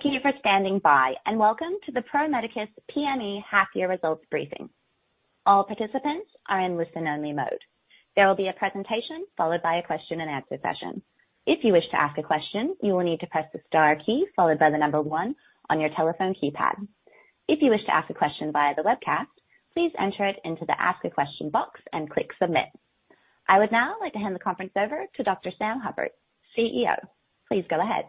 Thank you for standing by, and welcome to the Pro Medicus PME half year results briefing. All participants are in listen-only mode. There will be a presentation followed by a question-and-answer session. If you wish to ask a question, you will need to press the star key followed by the number one on your telephone keypad. If you wish to ask a question via the webcast, please enter it into the ask a question box and click submit. I would now like to hand the conference over to Dr. Sam Hupert, CEO. Please go ahead.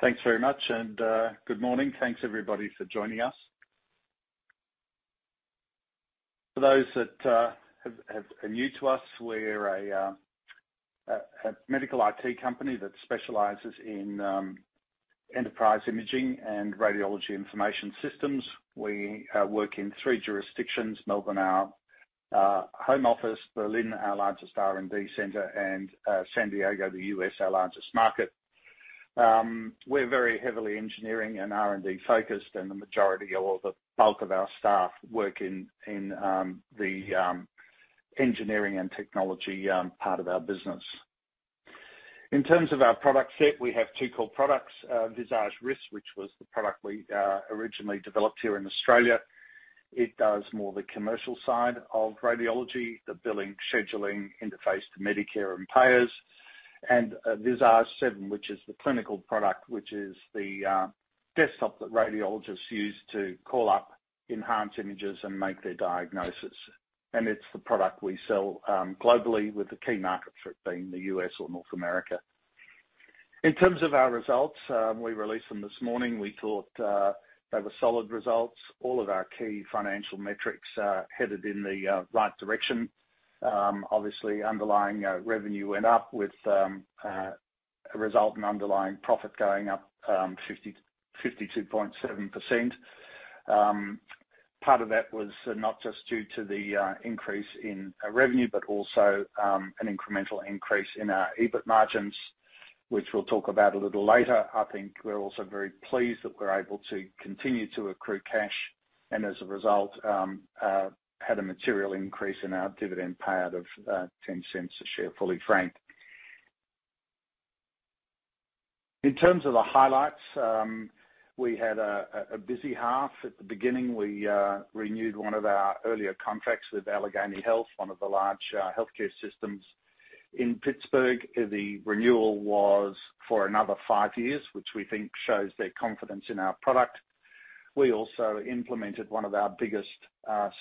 Thanks very much, and good morning. Thanks everybody for joining us. For those that are new to us, we're a medical IT company that specializes in enterprise imaging and radiology information systems. We work in three jurisdictions, Melbourne, our home office, Berlin, our largest R&D center, and San Diego, U.S., our largest market. We're very heavily engineering and R&D focused, and the majority or the bulk of our staff work in the engineering and technology part of our business. In terms of our product set, we have two core products, Visage RIS, which was the product we originally developed here in Australia. It does more the commercial side of radiology, the billing, scheduling, interface to Medicare and payers. Visage 7, which is the clinical product, which is the desktop that radiologists use to call up enhanced images and make their diagnosis. It's the product we sell globally with the key markets for it being the U.S. or North America. In terms of our results, we released them this morning. We thought they were solid results. All of our key financial metrics are headed in the right direction. Obviously underlying revenue went up with a result in underlying profit going up 52.7%. Part of that was not just due to the increase in revenue, but also an incremental increase in our EBIT margins, which we'll talk about a little later. I think we're also very pleased that we're able to continue to accrue cash and as a result had a material increase in our dividend payout of 0.10 per share, fully franked. In terms of the highlights, we had a busy half. At the beginning, we renewed one of our earlier contracts with Allegheny Health Network, one of the large healthcare systems in Pittsburgh. The renewal was for another five years, which we think shows their confidence in our product. We also implemented one of our biggest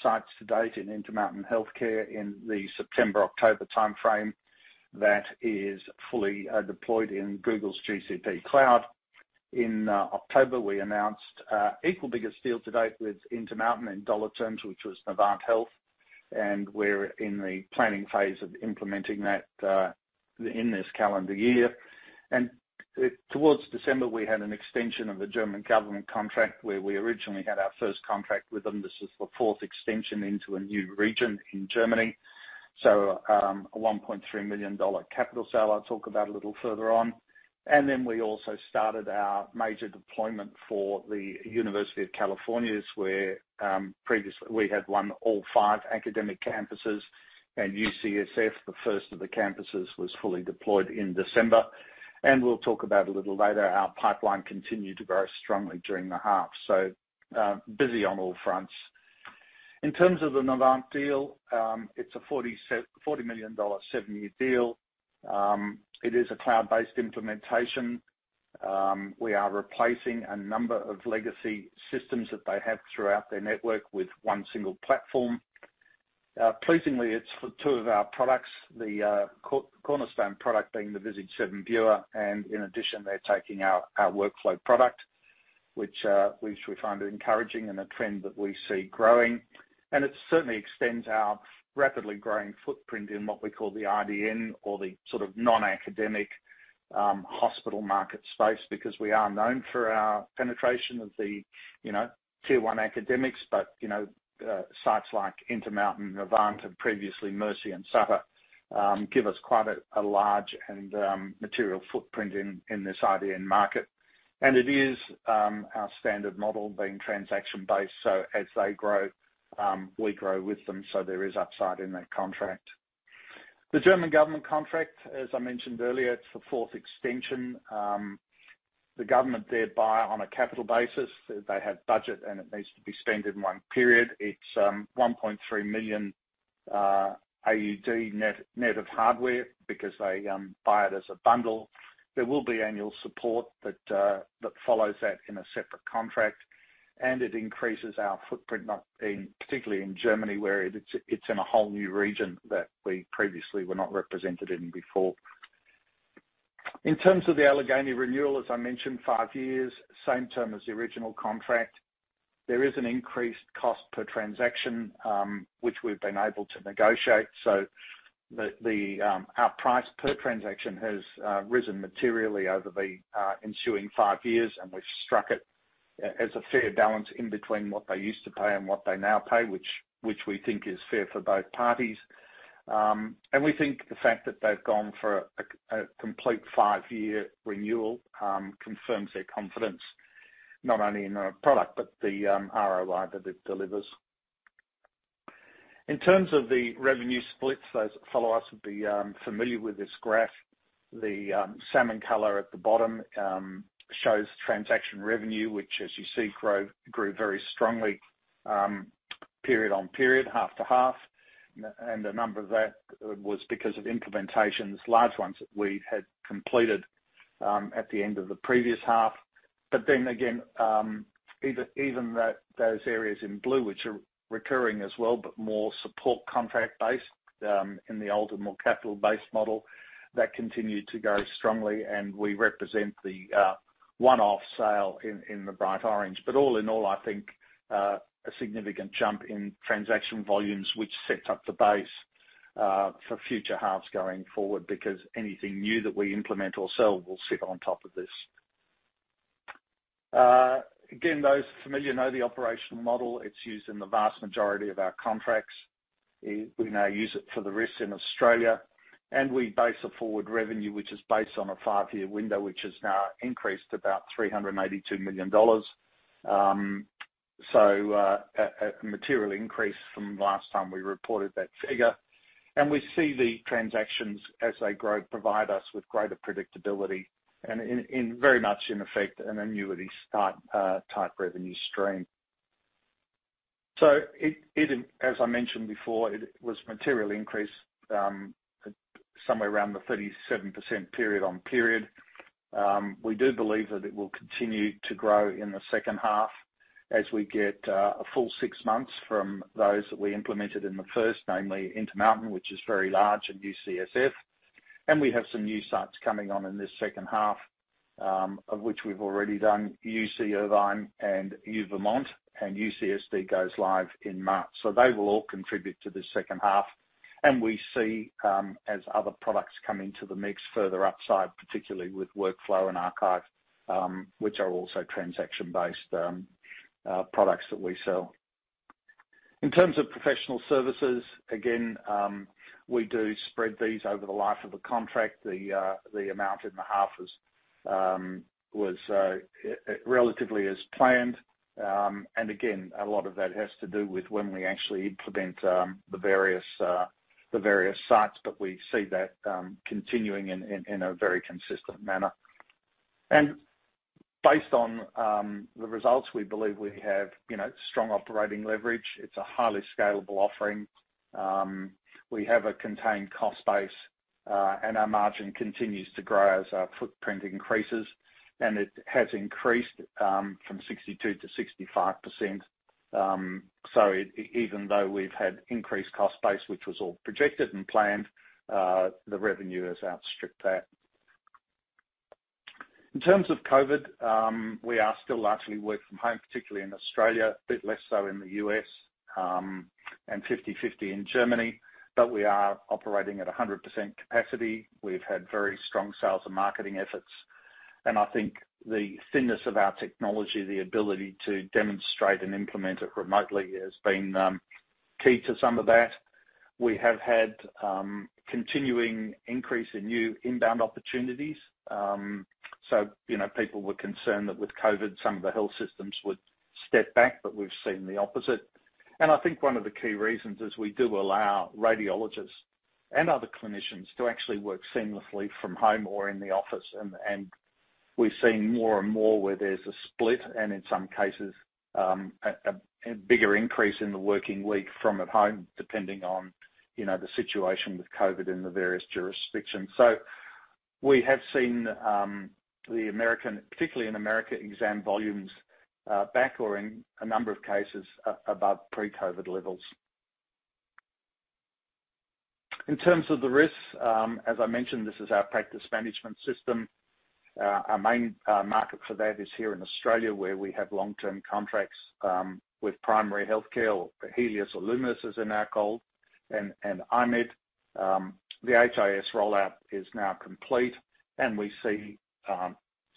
sites to date in Intermountain Healthcare in the September, October timeframe that is fully deployed in Google's GCP cloud. In October, we announced equal biggest deal to date with Intermountain in dollar terms, which was Novant Health, and we're in the planning phase of implementing that in this calendar year. Towards December, we had an extension of a German government contract where we originally had our first contract with them. This is the fourth extension into a new region in Germany. A $1.3 million capital sale I'll talk about a little further on. Then we also started our major deployment for the University of California, where previously we had won all five academic campuses, and UCSF, the first of the campuses, was fully deployed in December. We'll talk about a little later, our pipeline continued to grow strongly during the half. Busy on all fronts. In terms of the Novant deal, it's a $40 million seven-year deal. It is a cloud-based implementation. We are replacing a number of legacy systems that they have throughout their network with one single platform. Pleasingly, it's for two of our products, the cornerstone product being the Visage 7 Viewer, and in addition, they're taking our workflow product, which we find encouraging and a trend that we see growing. It certainly extends our rapidly growing footprint in what we call the IDN or the sort of non-academic hospital market space, because we are known for our penetration of the, you know, tier one academics. But, you know, sites like Intermountain, Novant, and previously Mercy and Sutter give us quite a large and material footprint in this IDN market. It is our standard model being transaction-based, so as they grow, we grow with them, so there is upside in that contract. The German government contract, as I mentioned earlier, it's the fourth extension. The government there buy on a capital basis. They have budget, and it needs to be spent in one period. It's 1.3 million AUD net of hardware because they buy it as a bundle. There will be annual support that follows that in a separate contract, and it increases our footprint, particularly in Germany, where it's in a whole new region that we previously were not represented in before. In terms of the Allegheny renewal, as I mentioned, five years, same term as the original contract. There is an increased cost per transaction, which we've been able to negotiate. Our price per transaction has risen materially over the ensuing five years, and we've struck it as a fair balance in between what they used to pay and what they now pay, which we think is fair for both parties. And we think the fact that they've gone for a complete five-year renewal confirms their confidence, not only in our product, but the ROI that it delivers. In terms of the revenue splits, those that follow us would be familiar with this graph. The salmon color at the bottom shows transaction revenue, which as you see grew very strongly period on period, half to half. And a number of that was because of implementations, large ones, that we had completed at the end of the previous half. Even that, those areas in blue, which are recurring as well, but more support contract-based, in the older, more capital-based model, that continued to grow strongly and we represent the one-off sale in the bright orange. All in all, I think a significant jump in transaction volumes, which sets up the base for future halves going forward because anything new that we implement or sell will sit on top of this. Again, those familiar know the operational model. It's used in the vast majority of our contracts. We now use it for the RIS in Australia, and we base the forward revenue, which is based on a five-year window, which has now increased to about 382 million dollars. A material increase from last time we reported that figure. We see the transactions as they grow, provide us with greater predictability and in very much in effect, an annuity-type type revenue stream. It, as I mentioned before, it was materially increased, somewhere around the 37% period on period. We do believe that it will continue to grow in the second half as we get a full six months from those that we implemented in the first, namely Intermountain, which is very large at UCSF. We have some new sites coming on in this second half, of which we've already done UC Irvine and U Vermont, and UCSD goes live in March. They will all contribute to the second half. We see, as other products come into the mix, further upside, particularly with Workflow and Archive, which are also transaction-based products that we sell. In terms of professional services, again, we do spread these over the life of a contract. The amount in the half was relatively as planned. Again, a lot of that has to do with when we actually implement the various sites. We see that continuing in a very consistent manner. Based on the results, we believe we have, you know, strong operating leverage. It's a highly scalable offering. We have a contained cost base, and our margin continues to grow as our footprint increases. It has increased from 62%-65%. Even though we've had increased cost base, which was all projected and planned, the revenue has outstripped that. In terms of COVID, we are still largely work from home, particularly in Australia, a bit less so in the U.S., and 50/50 in Germany. We are operating at 100% capacity. We've had very strong sales and marketing efforts. I think the strength of our technology, the ability to demonstrate and implement it remotely has been key to some of that. We have had continuing increase in new inbound opportunities. You know, people were concerned that with COVID, some of the health systems would step back, but we've seen the opposite. I think one of the key reasons is we do allow radiologists and other clinicians to actually work seamlessly from home or in the office. We've seen more and more where there's a split and in some cases, a bigger increase in the working week from at home, depending on, you know, the situation with COVID in the various jurisdictions. We have seen the American, particularly in America, exam volumes back or in a number of cases, above pre-COVID levels. In terms of the RIS, as I mentioned, this is our practice management system. Our main market for that is here in Australia, where we have long-term contracts with Primary Health Care, Healius or Lumus as in our call, and I-MED. The HIS rollout is now complete, and we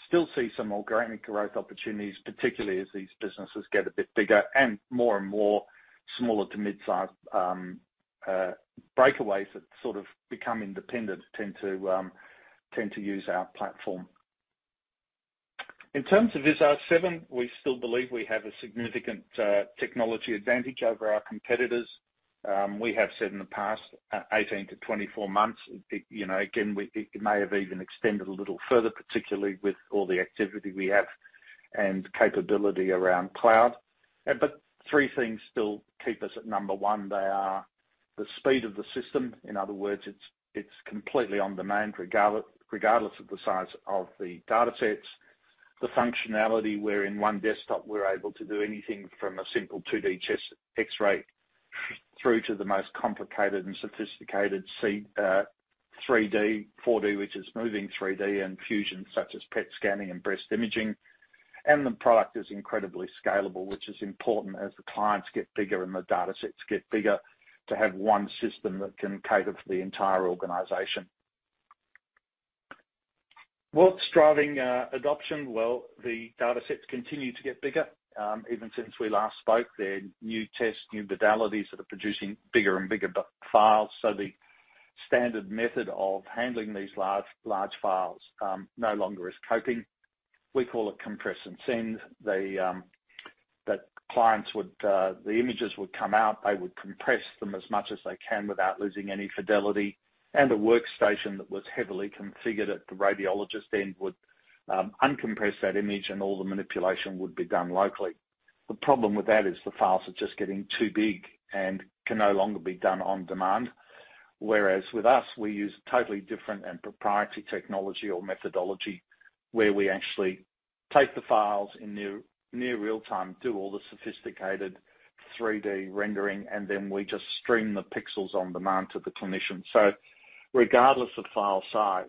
still see some organic growth opportunities, particularly as these businesses get a bit bigger and more and more smaller to mid-size breakaways that sort of become independent tend to use our platform. In terms of Visage 7, we still believe we have a significant technology advantage over our competitors. We have said in the past 18 to 24 months, you know, it may have even extended a little further, particularly with all the activity we have and capability around cloud. But three things still keep us at number one. They are the speed of the system. In other words, it's completely on demand, regardless of the size of the datasets. The functionality, where in one desktop, we're able to do anything from a simple 2D chest X-ray through to the most complicated and sophisticated 3D, 4D, which is moving 3D and fusion, such as PET scanning and breast imaging. The product is incredibly scalable, which is important as the clients get bigger and the datasets get bigger, to have one system that can cater for the entire organization. What's driving adoption? Well, the datasets continue to get bigger. Even since we last spoke, there are new tests, new modalities that are producing bigger and bigger data files. The standard method of handling these large files no longer is coping. We call it compress and send. The clients would, the images would come out, they would compress them as much as they can without losing any fidelity. A workstation that was heavily configured at the radiologist end would uncompress that image and all the manipulation would be done locally. The problem with that is the files are just getting too big and can no longer be done on demand. Whereas with us, we use totally different and proprietary technology or methodology where we actually take the files in near real time, do all the sophisticated 3D rendering, and then we just stream the pixels on-demand to the clinician. So regardless of file size,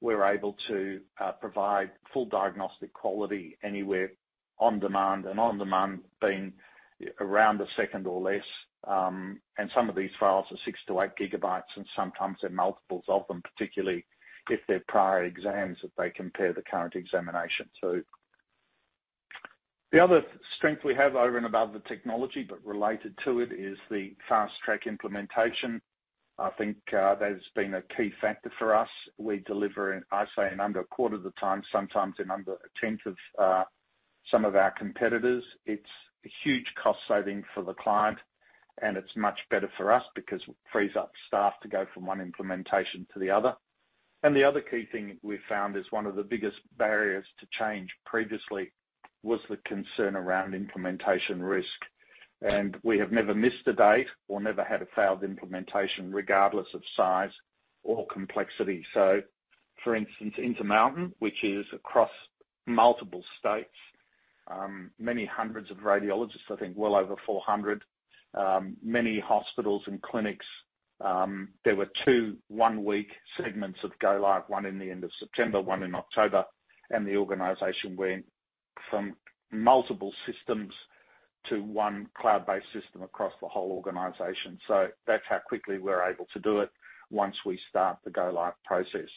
we're able to provide full diagnostic quality anywhere on demand, and on demand being around a second or less. Some of these files are 6-8 GB, and sometimes they're multiples of them, particularly if they're prior exams that they compare the current examination to. The other strength we have over and above the technology, but related to it, is the fast-track implementation. I think that has been a key factor for us. We deliver in, I say, in under a quarter of the time, sometimes in under a tenth of some of our competitors. It's a huge cost saving for the client, and it's much better for us because it frees up staff to go from one implementation to the other. The other key thing we found is one of the biggest barriers to change previously was the concern around implementation risk. We have never missed a date or never had a failed implementation, regardless of size or complexity. For instance, Intermountain, which is across multiple states, many hundreds of radiologists, I think well over 400, many hospitals and clinics. There were two one-week segments of go live, one in the end of September, one in October. The organization went from multiple systems to one cloud-based system across the whole organization. That's how quickly we're able to do it once we start the go live process.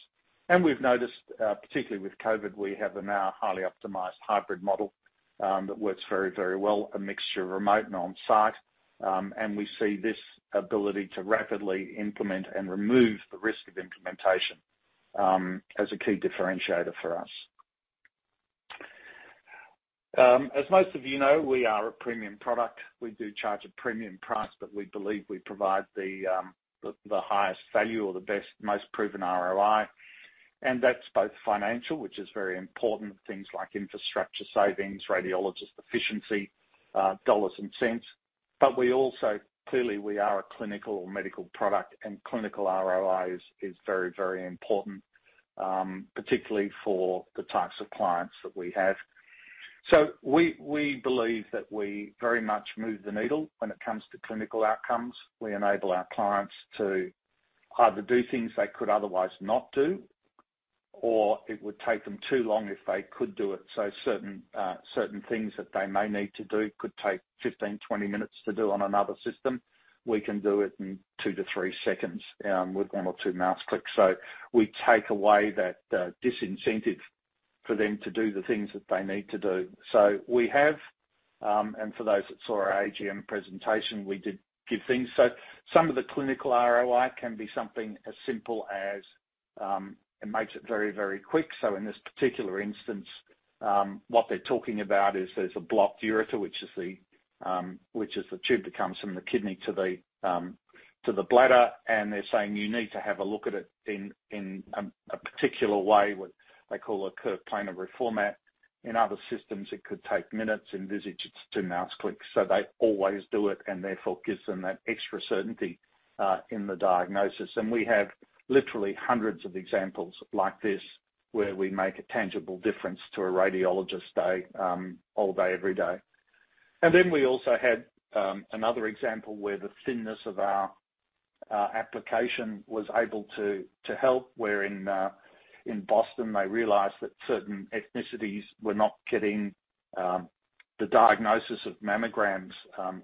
We've noticed, particularly with COVID, we now have a highly optimized hybrid model that works very, very well, a mixture of remote and on-site. We see this ability to rapidly implement and remove the risk of implementation as a key differentiator for us. As most of you know, we are a premium product. We do charge a premium price, but we believe we provide the highest value or the best, most proven ROI. That's both financial, which is very important, things like infrastructure savings, radiologist efficiency, dollars and cents. We also, clearly we are a clinical or medical product, and clinical ROI is very, very important, particularly for the types of clients that we have. We believe that we very much move the needle when it comes to clinical outcomes. We enable our clients to either do things they could otherwise not do, or it would take them too long if they could do it. Certain things that they may need to do could take 15-20 minutes to do on another system. We can do it in two-three seconds, with one or two mouse clicks. We take away that disincentive for them to do the things that they need to do. We have, and for those that saw our AGM presentation, we did give things. Some of the clinical ROI can be something as simple as it makes it very, very quick. In this particular instance, what they're talking about is there's a blocked urethra, which is the tube that comes from the kidney to the bladder. They're saying, "You need to have a look at it in a particular way," what they call a curved planar reformation. In other systems, it could take minutes. In Visage, it's two mouse clicks. They always do it, and therefore gives them that extra certainty in the diagnosis. We have literally hundreds of examples like this, where we make a tangible difference to a radiologist day all day, every day. We also had another example where the thinness of our application was able to help, where in Boston, they realized that certain ethnicities were not getting the diagnosis of mammograms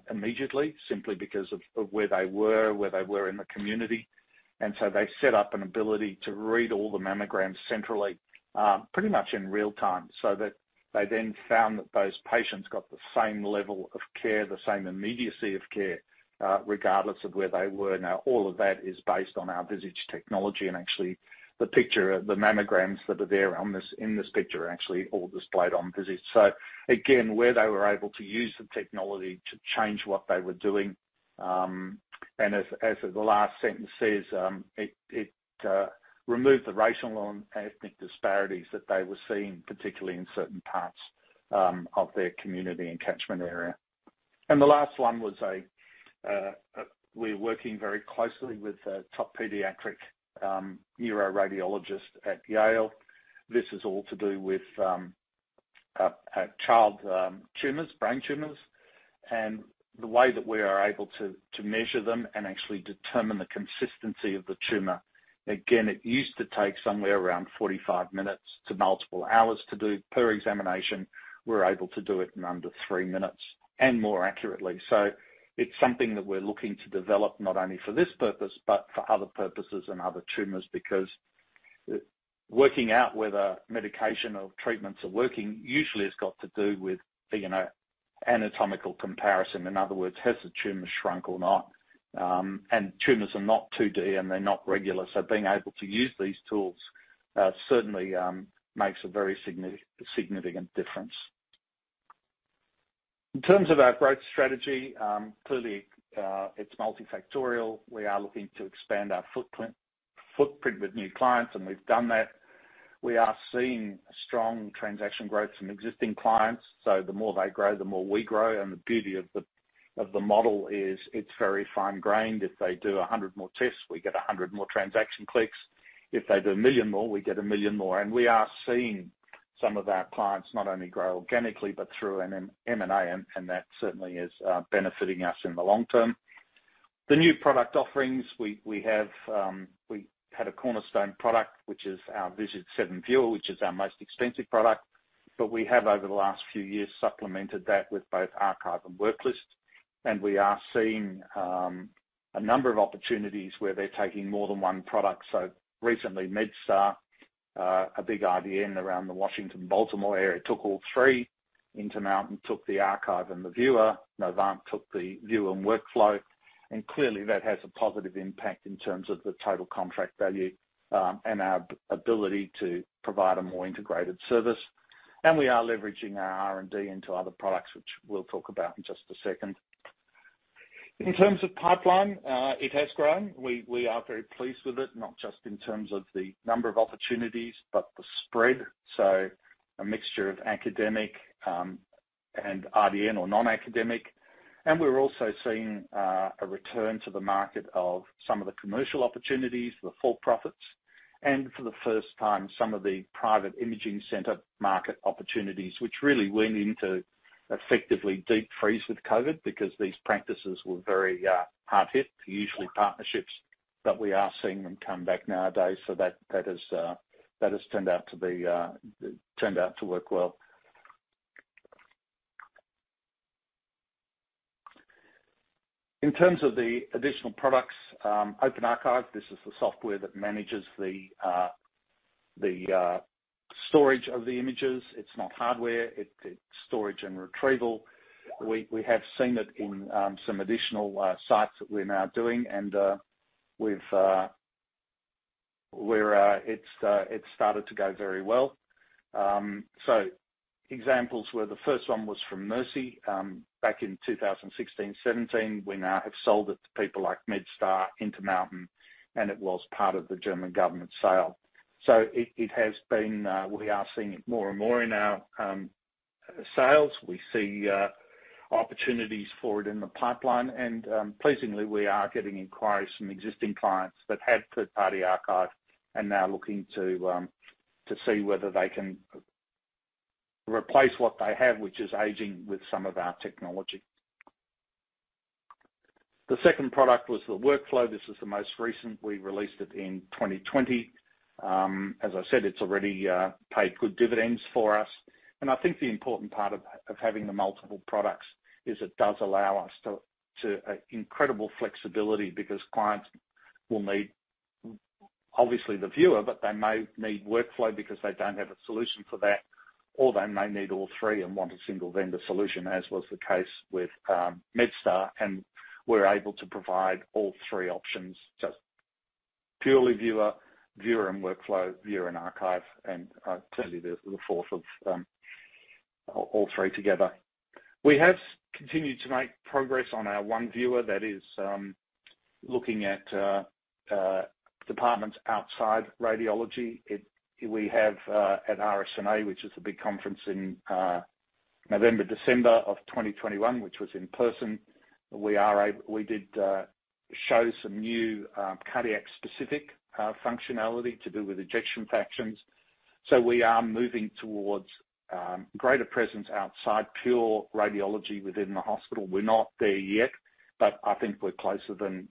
immediately, simply because of where they were in the community. They set up an ability to read all the mammograms centrally, pretty much in real time, so that they then found that those patients got the same level of care, the same immediacy of care, regardless of where they were. Now, all of that is based on our Visage technology. Actually, the picture of the mammograms that are there on this, in this picture are actually all displayed on Visage. Again, where they were able to use the technology to change what they were doing, and as the last sentence says, it removed the racial and ethnic disparities that they were seeing, particularly in certain parts of their community and catchment area. The last one was, we're working very closely with a top pediatric neuroradiologist at Yale. This is all to do with child tumors, brain tumors, and the way that we are able to measure them and actually determine the consistency of the tumor. Again, it used to take somewhere around 45 minutes to multiple hours to do per examination. We're able to do it in under three minutes and more accurately. It's something that we're looking to develop not only for this purpose, but for other purposes and other tumors, because working out whether medication or treatments are working usually has got to do with, you know, anatomical comparison. In other words, has the tumor shrunk or not? Tumors are not too deep and they're not regular. Being able to use these tools certainly makes a very significant difference. In terms of our growth strategy, clearly, it's multifactorial. We are looking to expand our footprint with new clients, and we've done that. We are seeing strong transaction growth from existing clients. The more they grow, the more we grow. The beauty of the model is it's very fine-grained. If they do 100 more tests, we get 100 more transaction clicks. If they do 1 million more, we get 1 million more. We are seeing some of our clients not only grow organically, but through an M&A, and that certainly is benefiting us in the long term. The new product offerings, we had a cornerstone product, which is our Visage 7 Viewer, which is our most expensive product. We have, over the last few years, supplemented that with both archive and worklist. We are seeing a number of opportunities where they're taking more than one product. Recently, MedStar, a big IDN around the Washington, Baltimore area, took all three. Intermountain took the archive and the viewer. Novant took the viewer and workflow. Clearly that has a positive impact in terms of the total contract value, and our ability to provide a more integrated service. We are leveraging our R&D into other products, which we'll talk about in just a second. In terms of pipeline, it has grown. We are very pleased with it, not just in terms of the number of opportunities, but the spread. A mixture of academic, and IDN or non-academic. We're also seeing a return to the market of some of the commercial opportunities, the for-profits, and for the first time, some of the private imaging center market opportunities, which really went into effectively deep freeze with COVID because these practices were very, hard hit. Usually partnerships, but we are seeing them come back nowadays. That has turned out to work well. In terms of the additional products, Open Archive, this is the software that manages the storage of the images. It's not hardware, it's storage and retrieval. We have seen it in some additional sites that we're now doing and it's started to go very well. Examples were the first one was from Mercy back in 2016-2017. We now have sold it to people like MedStar, Intermountain, and it was part of the German government sale. It has been. We are seeing it more and more in our sales. We see opportunities for it in the pipeline. Pleasingly, we are getting inquiries from existing clients that had third-party archive and now looking to see whether they can replace what they have, which is aging, with some of our technology. The second product was the workflow. This is the most recent. We released it in 2020. As I said, it's already paid good dividends for us. I think the important part of having the multiple products is it does allow us to incredible flexibility because clients will need obviously the viewer, but they may need workflow because they don't have a solution for that, or they may need all three and want a single vendor solution, as was the case with MedStar. We're able to provide all three options, just purely viewer and workflow, viewer and archive, and certainly, of course, all three together. We have continued to make progress on our One Viewer that is looking at departments outside radiology. At RSNA, which is a big conference in November, December of 2021, which was in person, we did show some new cardiac specific functionality to do with ejection fractions. We are moving towards greater presence outside pure radiology within the hospital. We're not there yet, but I think we're closer than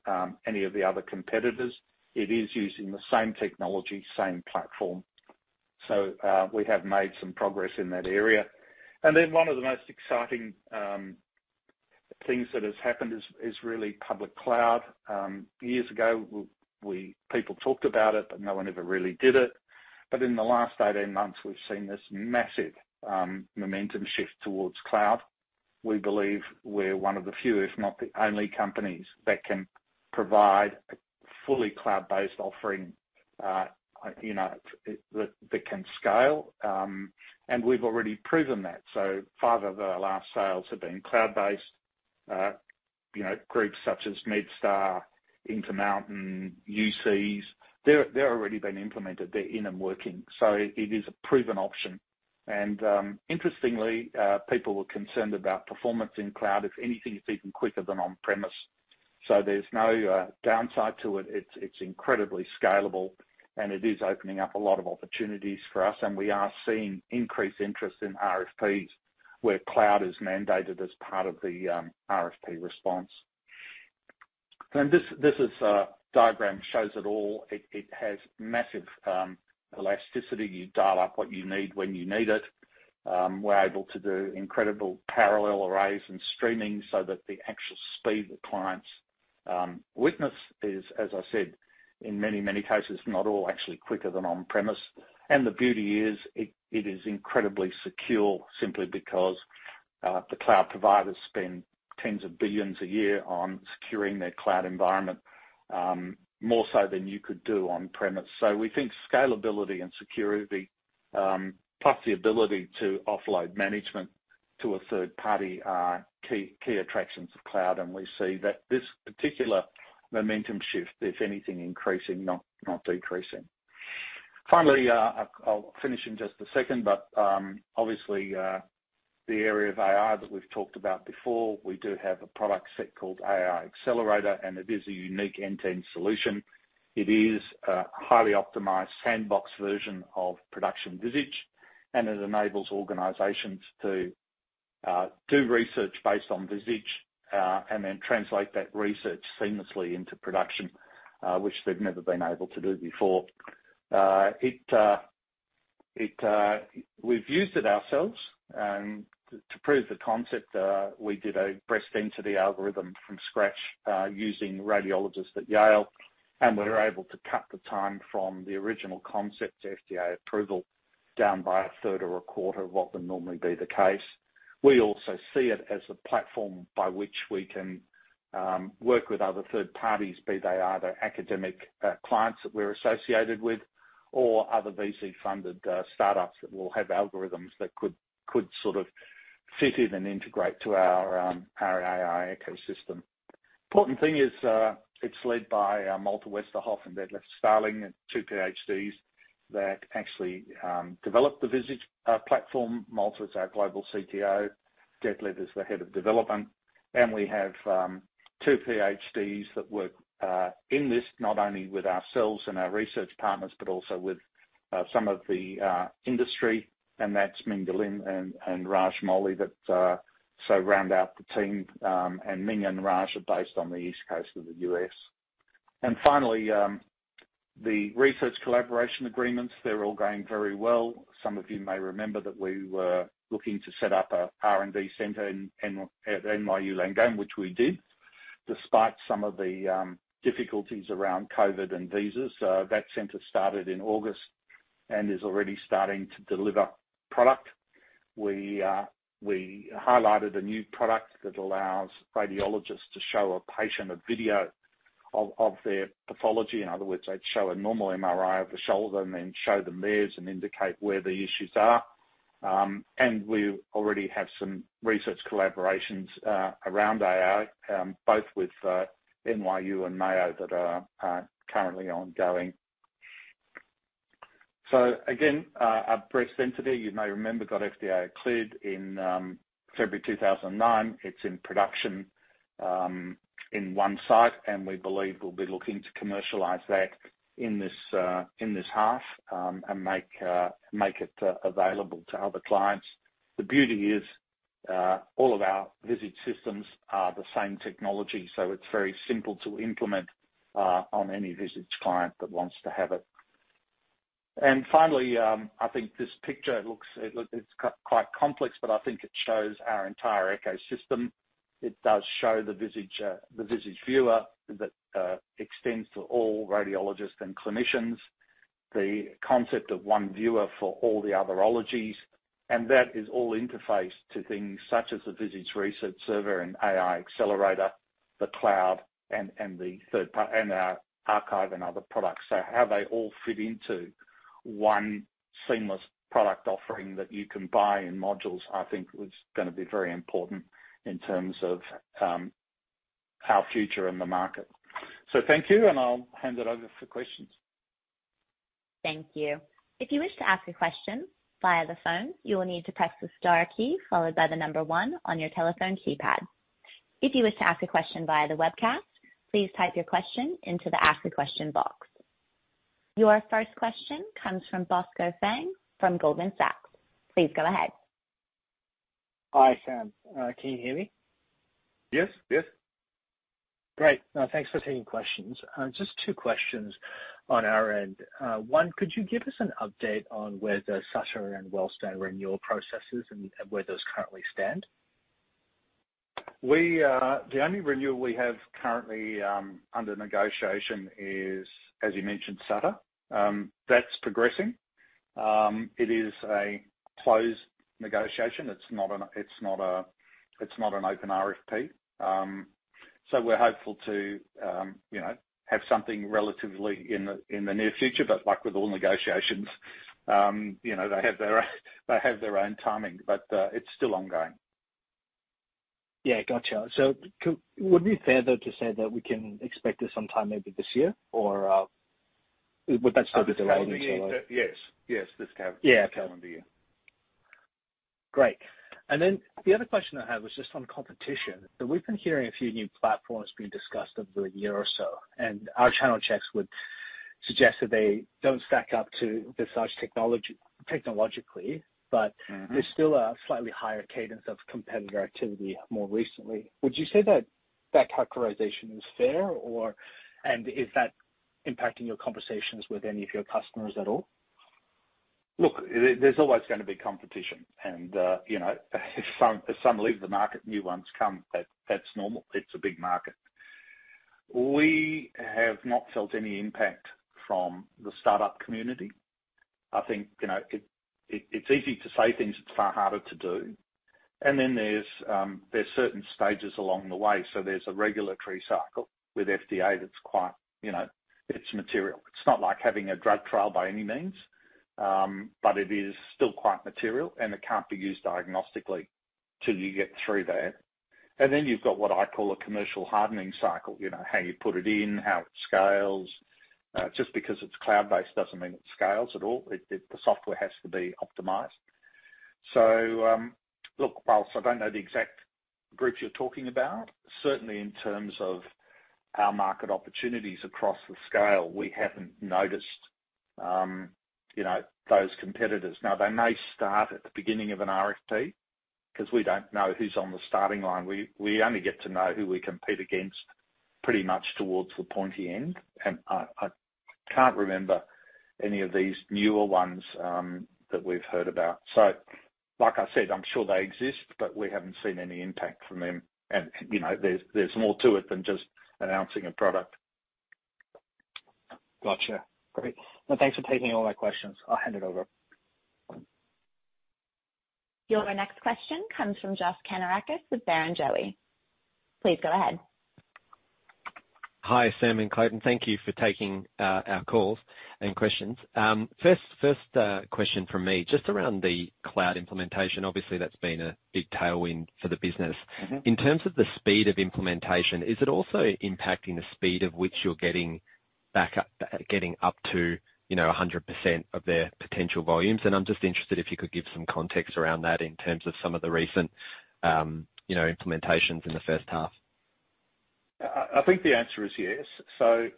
any of the other competitors. It is using the same technology, same platform. We have made some progress in that area. One of the most exciting things that has happened is really public cloud. Years ago, people talked about it, but no one ever really did it. In the last 18 months, we've seen this massive momentum shift towards cloud. We believe we're one of the few, if not the only companies, that can provide a fully cloud-based offering, you know, that can scale. We've already proven that. Five of our last sales have been cloud-based, you know, groups such as MedStar, Intermountain, UCs. They're already been implemented. They're in and working. It is a proven option. Interestingly, people were concerned about performance in cloud. If anything, it's even quicker than on-premise. There's no downside to it. It's incredibly scalable and it is opening up a lot of opportunities for us, and we are seeing increased interest in RFPs where cloud is mandated as part of the RFP response. This diagram shows it all. It has massive elasticity. You dial up what you need when you need it. We're able to do incredible parallel arrays and streaming so that the actual speed the clients witness is, as I said, in many cases, not all actually quicker than on-premise. The beauty is, it is incredibly secure simply because the cloud providers spend tens of billions a year on securing their cloud environment, more so than you could do on-premise. We think scalability and security, plus the ability to offload management to a third party are key attractions of cloud, and we see that this particular momentum shift, if anything, increasing, not decreasing. Finally, I'll finish in just a second, but obviously, the area of AI that we've talked about before, we do have a product set called Visage AI Accelerator, and it is a unique end-to-end solution. It is a highly optimized sandbox version of production Visage, and it enables organizations to do research based on Visage, and then translate that research seamlessly into production, which they've never been able to do before. We've used it ourselves, and to prove the concept, we did a breast density algorithm from scratch, using radiologists at Yale, and we were able to cut the time from the original concept to FDA approval down by a third or a quarter of what would normally be the case. We also see it as a platform by which we can work with other third parties, be they either academic clients that we're associated with or other VC-funded startups that will have algorithms that could sort of fit in and integrate to our AI ecosystem. Important thing is, it's led by Malte Westerhoff and Detlev Stalling, two PhDs that actually developed the Visage platform. Malte is our global CTO, Detlev is the head of development. We have two PhDs that work in this, not only with ourselves and our research partners, but also with some of the industry, and that's MingDe Lin and Raj Moily that so round out the team. MingDe Lin and Raj Moily are based on the East Coast of the U.S. Finally, the research collaboration agreements, they're all going very well. Some of you may remember that we were looking to set up a R&D center at NYU Langone, which we did, despite some of the difficulties around COVID and visas. That center started in August and is already starting to deliver product. We highlighted a new product that allows radiologists to show a patient a video of their pathology. In other words, they'd show a normal MRI of the shoulder and then show them theirs and indicate where the issues are. We already have some research collaborations around AI, both with NYU and Mayo that are currently ongoing. Again, our breast density, you may remember, got FDA cleared in February 2009. It's in production in one site, and we believe we'll be looking to commercialize that in this half, and make it available to other clients. The beauty is, all of our Visage systems are the same technology, so it's very simple to implement on any Visage client that wants to have it. Finally, I think this picture looks quite complex, but I think it shows our entire ecosystem. It does show the Visage Viewer that extends to all radiologists and clinicians. The concept of One Viewer for all the other ologies, and that is all interfaced to things such as the Visage Research Server and AI Accelerator, the cloud, and our archive and other products. How they all fit into one seamless product offering that you can buy in modules, I think is gonna be very important in terms of our future in the market. Thank you, and I'll hand it over for questions. Thank you. If you wish to ask a question via the phone, you will need to press the star key followed by the number one on your telephone keypad. If you wish to ask a question via the webcast, please type your question into the ask a question box. Your first question comes from Bosco Lam from Goldman Sachs. Please go ahead. Hi, Sam. Can you hear me? Yes. Yes. Great. Now, thanks for taking questions. Just two questions on our end. One, could you give us an update on where the Sutter and Wellstar renewal processes and where those currently stand? The only renewal we have currently under negotiation is, as you mentioned, Sutter. That's progressing. It is a closed negotiation. It's not an open RFP. We're hopeful to you know have something relatively in the near future. Like with all negotiations, you know, they have their own timing. It's still ongoing. Yeah. Gotcha. Would it be fair, though, to say that we can expect this sometime maybe this year? Or, would that still be too early to tell? Yes. Yes. This calendar year. Yeah. Okay. Great. The other question I had was just on competition. We've been hearing a few new platforms being discussed over the year or so, and our channel checks would suggest that they don't stack up to Visage technology technologically. Mm-hmm. There's still a slightly higher cadence of competitor activity more recently. Would you say that characterization is fair, or is that- impacting your conversations with any of your customers at all? Look, there's always gonna be competition and, you know, if some leave the market, new ones come. That's normal. It's a big market. We have not felt any impact from the startup community. I think, you know, it's easy to say things. It's far harder to do. Then there's certain stages along the way. There's a regulatory cycle with FDA that's quite, you know, it's material. It's not like having a drug trial by any means, but it is still quite material, and it can't be used diagnostically till you get through that. Then you've got what I call a commercial hardening cycle. You know, how you put it in, how it scales. Just because it's cloud-based doesn't mean it scales at all. It, the software has to be optimized. Look, while I don't know the exact groups you're talking about, certainly in terms of our market opportunities across the scale, we haven't noticed, you know, those competitors. Now, they may start at the beginning of an RFP, 'cause we don't know who's on the starting line. We only get to know who we compete against pretty much towards the pointy end. I can't remember any of these newer ones that we've heard about. Like I said, I'm sure they exist, but we haven't seen any impact from them. You know, there's more to it than just announcing a product. Gotcha. Great. Well, thanks for taking all my questions. I'll hand it over. Your next question comes from Josh Kannourakis with Barrenjoey. Please go ahead. Hi, Sam and Clayton. Thank you for taking our call and questions. First question from me, just around the cloud implementation. Obviously, that's been a big tailwind for the business. Mm-hmm. In terms of the speed of implementation, is it also impacting the speed at which you're getting back up to, you know, 100% of their potential volumes? I'm just interested if you could give some context around that in terms of some of the recent, you know, implementations in the first half. I think the answer is yes.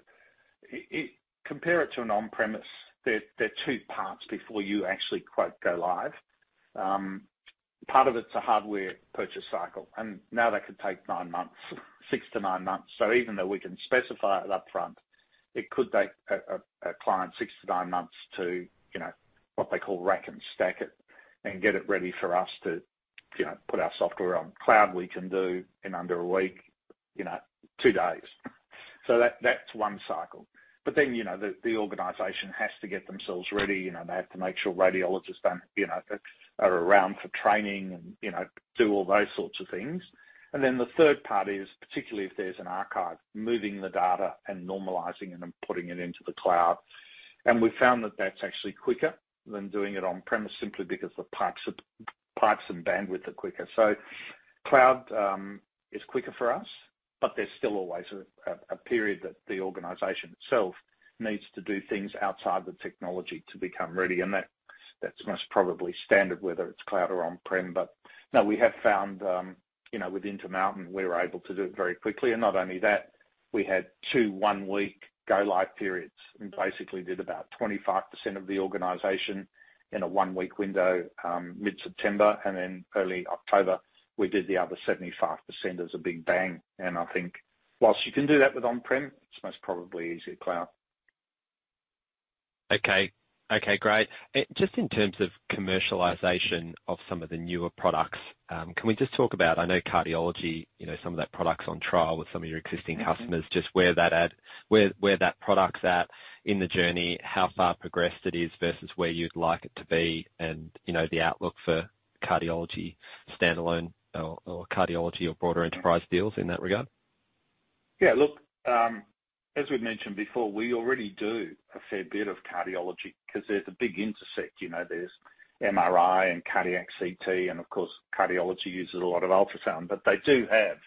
Compare it to an on-premise. There are two parts before you actually, quote, "go live." Part of it's a hardware purchase cycle, and now that could take nine months, six-nine months. Even though we can specify it up front, it could take a client six-nine months to, you know, what they call rack and stack it and get it ready for us to, you know, put our software on. Cloud, we can do in under a week, you know, two days. That's one cycle. Then, you know, the organization has to get themselves ready. You know, they have to make sure radiologists are around for training and, you know, do all those sorts of things. Then the third part is, particularly if there's an archive, moving the data and normalizing it and putting it into the cloud. We found that that's actually quicker than doing it on-premise simply because the pipes and bandwidth are quicker. Cloud is quicker for us, but there's still always a period that the organization itself needs to do things outside the technology to become ready. That that's most probably standard, whether it's cloud or on-prem. No, we have found, you know, with Intermountain, we were able to do it very quickly. Not only that, we had two one-week go live periods and basically did about 25% of the organization in a one-week window, mid-September. Early October, we did the other 75% as a big bang. I think while you can do that with on-prem, it's most probably easier cloud. Okay. Okay, great. Just in terms of commercialization of some of the newer products, can we just talk about, I know cardiology, you know, some of that product's on trial with some of your existing customers. Mm-hmm. Where that product's at in the journey, how far progressed it is versus where you'd like it to be and, you know, the outlook for cardiology standalone or cardiology or broader enterprise deals in that regard? Yeah. Look, as we've mentioned before, we already do a fair bit of cardiology 'cause there's a big intersect. You know, there's MRI and cardiac CT, and of course, cardiology uses a lot of ultrasound. But they do have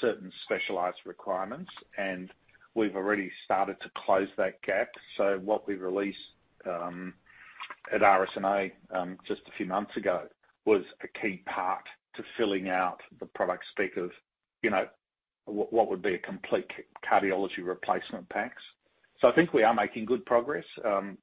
certain specialized requirements, and we've already started to close that gap. What we released at RSNA just a few months ago was a key part to filling out the product spec of, you know, what would be a complete cardiology replacement PACS. I think we are making good progress.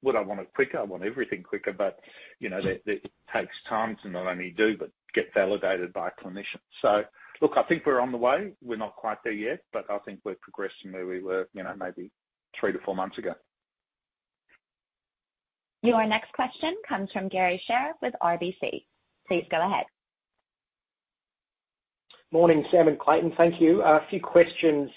Would I want it quicker? I want everything quicker, but you know, it takes time to not only do, but get validated by clinicians. Look, I think we're on the way. We're not quite there yet, but I think we're progressing where we were, you know, maybe three-four months ago. Your next question comes from Garry Sherriff with RBC. Please go ahead. Morning, Sam and Clayton. Thank you. A few questions.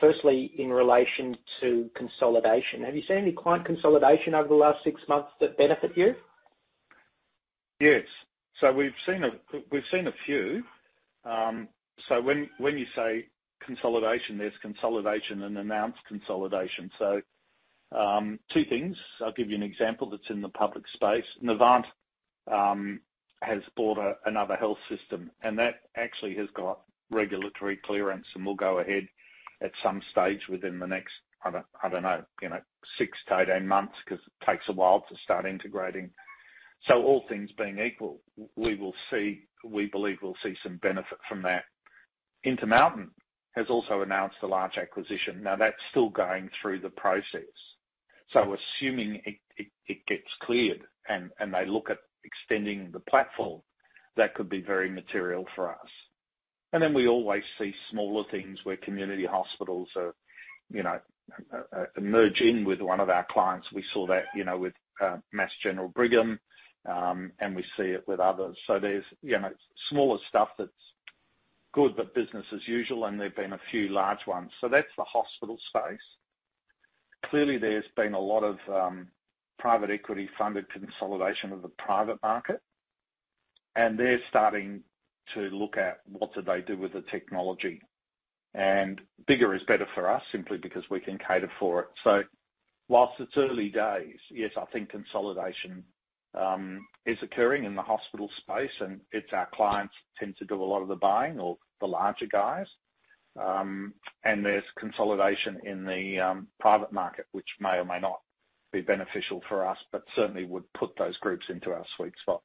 Firstly, in relation to consolidation. Have you seen any client consolidation over the last six months that benefit you? Yes. We've seen a few. When you say consolidation, there's consolidation and announced consolidation. Two things. I'll give you an example that's in the public space. Novant has bought another health system, and that actually has got regulatory clearance, and will go ahead at some stage within the next, I don't know, you know, six to eight months because it takes a while to start integrating. All things being equal, we believe we'll see some benefit from that. Intermountain has also announced a large acquisition. Now, that's still going through the process. Assuming it gets cleared and they look at extending the platform, that could be very material for us. We always see smaller things where community hospitals are, you know, merging with one of our clients. We saw that, you know, with Mass General Brigham, and we see it with others. There's, you know, smaller stuff that's good, but business as usual, and there've been a few large ones. That's the hospital space. Clearly, there's been a lot of private equity funded consolidation of the private market. They're starting to look at what do they do with the technology. Bigger is better for us simply because we can cater for it. Whilst it's early days, yes, I think consolidation is occurring in the hospital space, and it's our clients tend to do a lot of the buying or the larger guys. There's consolidation in the private market, which may or may not be beneficial for us, but certainly would put those groups into our sweet spot.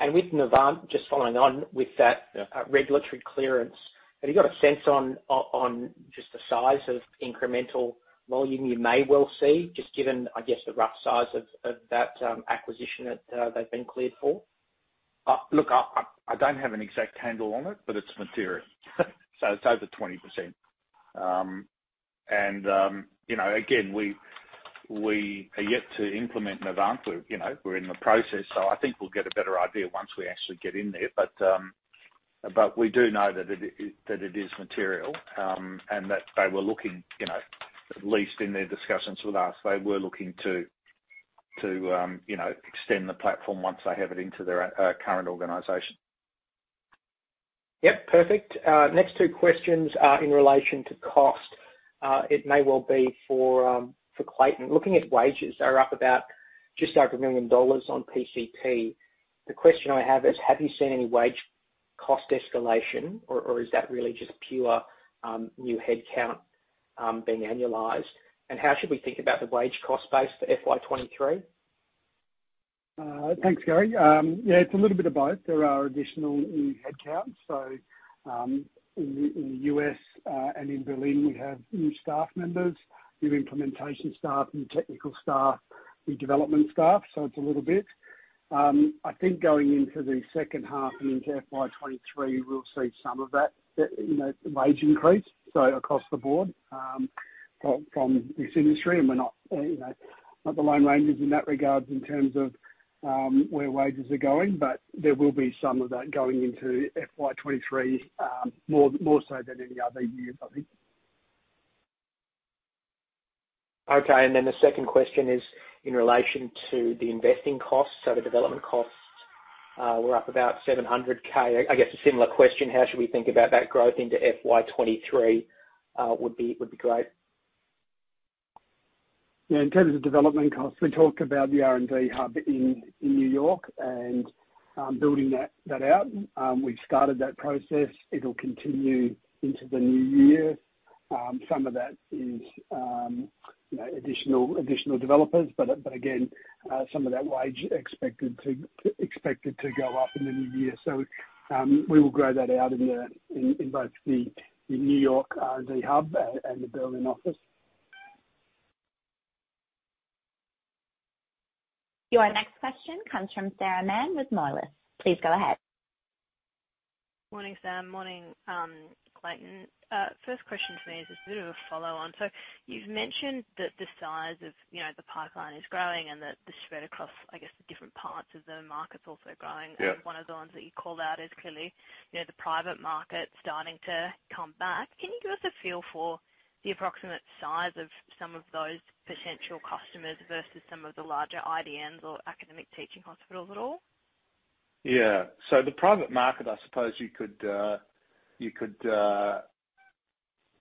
With Novant, just following on with that, regulatory clearance. Have you got a sense on just the size of incremental volume you may well see, just given, I guess, the rough size of that acquisition that they've been cleared for? Look, I don't have an exact handle on it, but it's material. It's over 20%. You know, again, we are yet to implement Novant, you know, we're in the process. I think we'll get a better idea once we actually get in there. But we do know that it is material, and that they were looking, you know, at least in their discussions with us, they were looking to, you know, extend the platform once they have it into their current organization. Yep. Perfect. Next two questions are in relation to cost. It may well be for Clayton. Looking at wages, they're up about just over 1 million dollars on PCP. The question I have is, have you seen any wage cost escalation or is that really just pure new headcount being annualized? And how should we think about the wage cost base for FY 2023? Thanks, Garry. Yeah, it's a little bit of both. There are additional new headcounts. In the U.S. and in Berlin, we have new staff members, new implementation staff, new technical staff, new development staff. It's a little bit. I think going into the second half into FY 2023, we'll see some of that, you know, wage increase, so across the board, from this industry. We're not, you know, not the lone rangers in that regards in terms of where wages are going. There will be some of that going into FY 2023, more so than any other year, I think. Okay. Then the second question is in relation to the investment costs. The development costs were up about 700 thousand. I guess a similar question. How should we think about that growth into FY 2023? It would be great. Yeah. In terms of development costs, we talked about the R&D hub in New York and building that out. We've started that process. It'll continue into the new year. Some of that is, you know, additional developers, but again, some of that wages expected to go up in the new year. We will grow that out in both the New York hub and the Berlin office. Your next question comes from Sarah Mann with Moelis. Please go ahead. Morning, Sam. Morning, Clayton. First question for me is just a bit of a follow on. You've mentioned that the size of, you know, the pipeline is growing and that the spread across, I guess, the different parts of the market is also growing. Yeah. One of the ones that you called out is clearly, you know, the private market starting to come back. Can you give us a feel for the approximate size of some of those potential customers versus some of the larger IDNs or academic teaching hospitals at all? Yeah. The private market, I suppose you could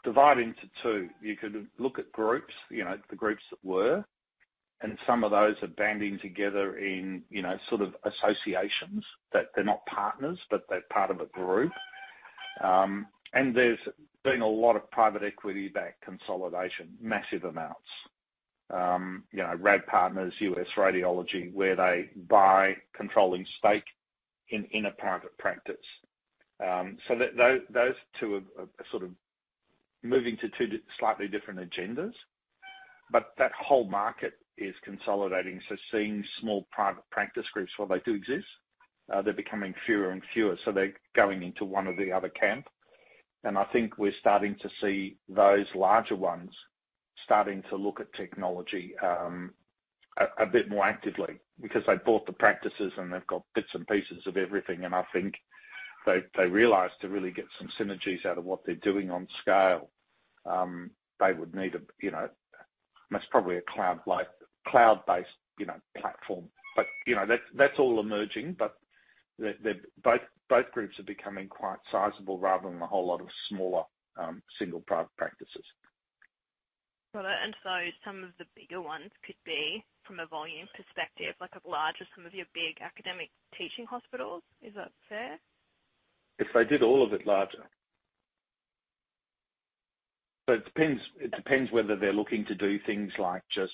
divide into two. You could look at groups, you know, the groups that were, and some of those are banding together in, you know, sort of associations that they're not partners, but they're part of a group. And there's been a lot of private equity backed consolidation, massive amounts. You know, Radiology Partners, US Radiology, where they buy controlling stake in a private practice. Those two are sort of moving to slightly different agendas. But that whole market is consolidating. Seeing small private practice groups, while they do exist, they're becoming fewer and fewer, so they're going into one or the other camp. I think we're starting to see those larger ones starting to look at technology a bit more actively because they bought the practices and they've got bits and pieces of everything. I think they realized to really get some synergies out of what they're doing on scale they would need, you know, most probably a cloud-based, you know, platform. You know, that's all emerging. Both groups are becoming quite sizable rather than a whole lot of smaller single private practices. Got it. Some of the bigger ones could be, from a volume perspective, like a larger, some of your big academic teaching hospitals. Is that fair? If they did all of it larger. It depends whether they're looking to do things like just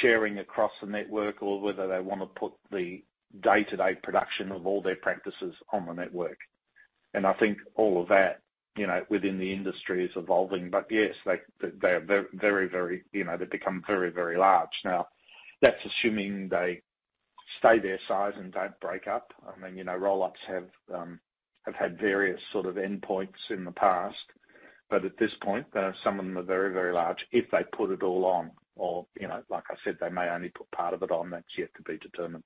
sharing across the network or whether they wanna put the day-to-day production of all their practices on the network. I think all of that, you know, within the industry is evolving. Yes, they are very, very large. Now that's assuming they stay their size and don't break up. I mean, you know, roll-ups have had various sort of endpoints in the past, but at this point, some of them are very, very large. If they put it all on or, you know, like I said, they may only put part of it on, that's yet to be determined.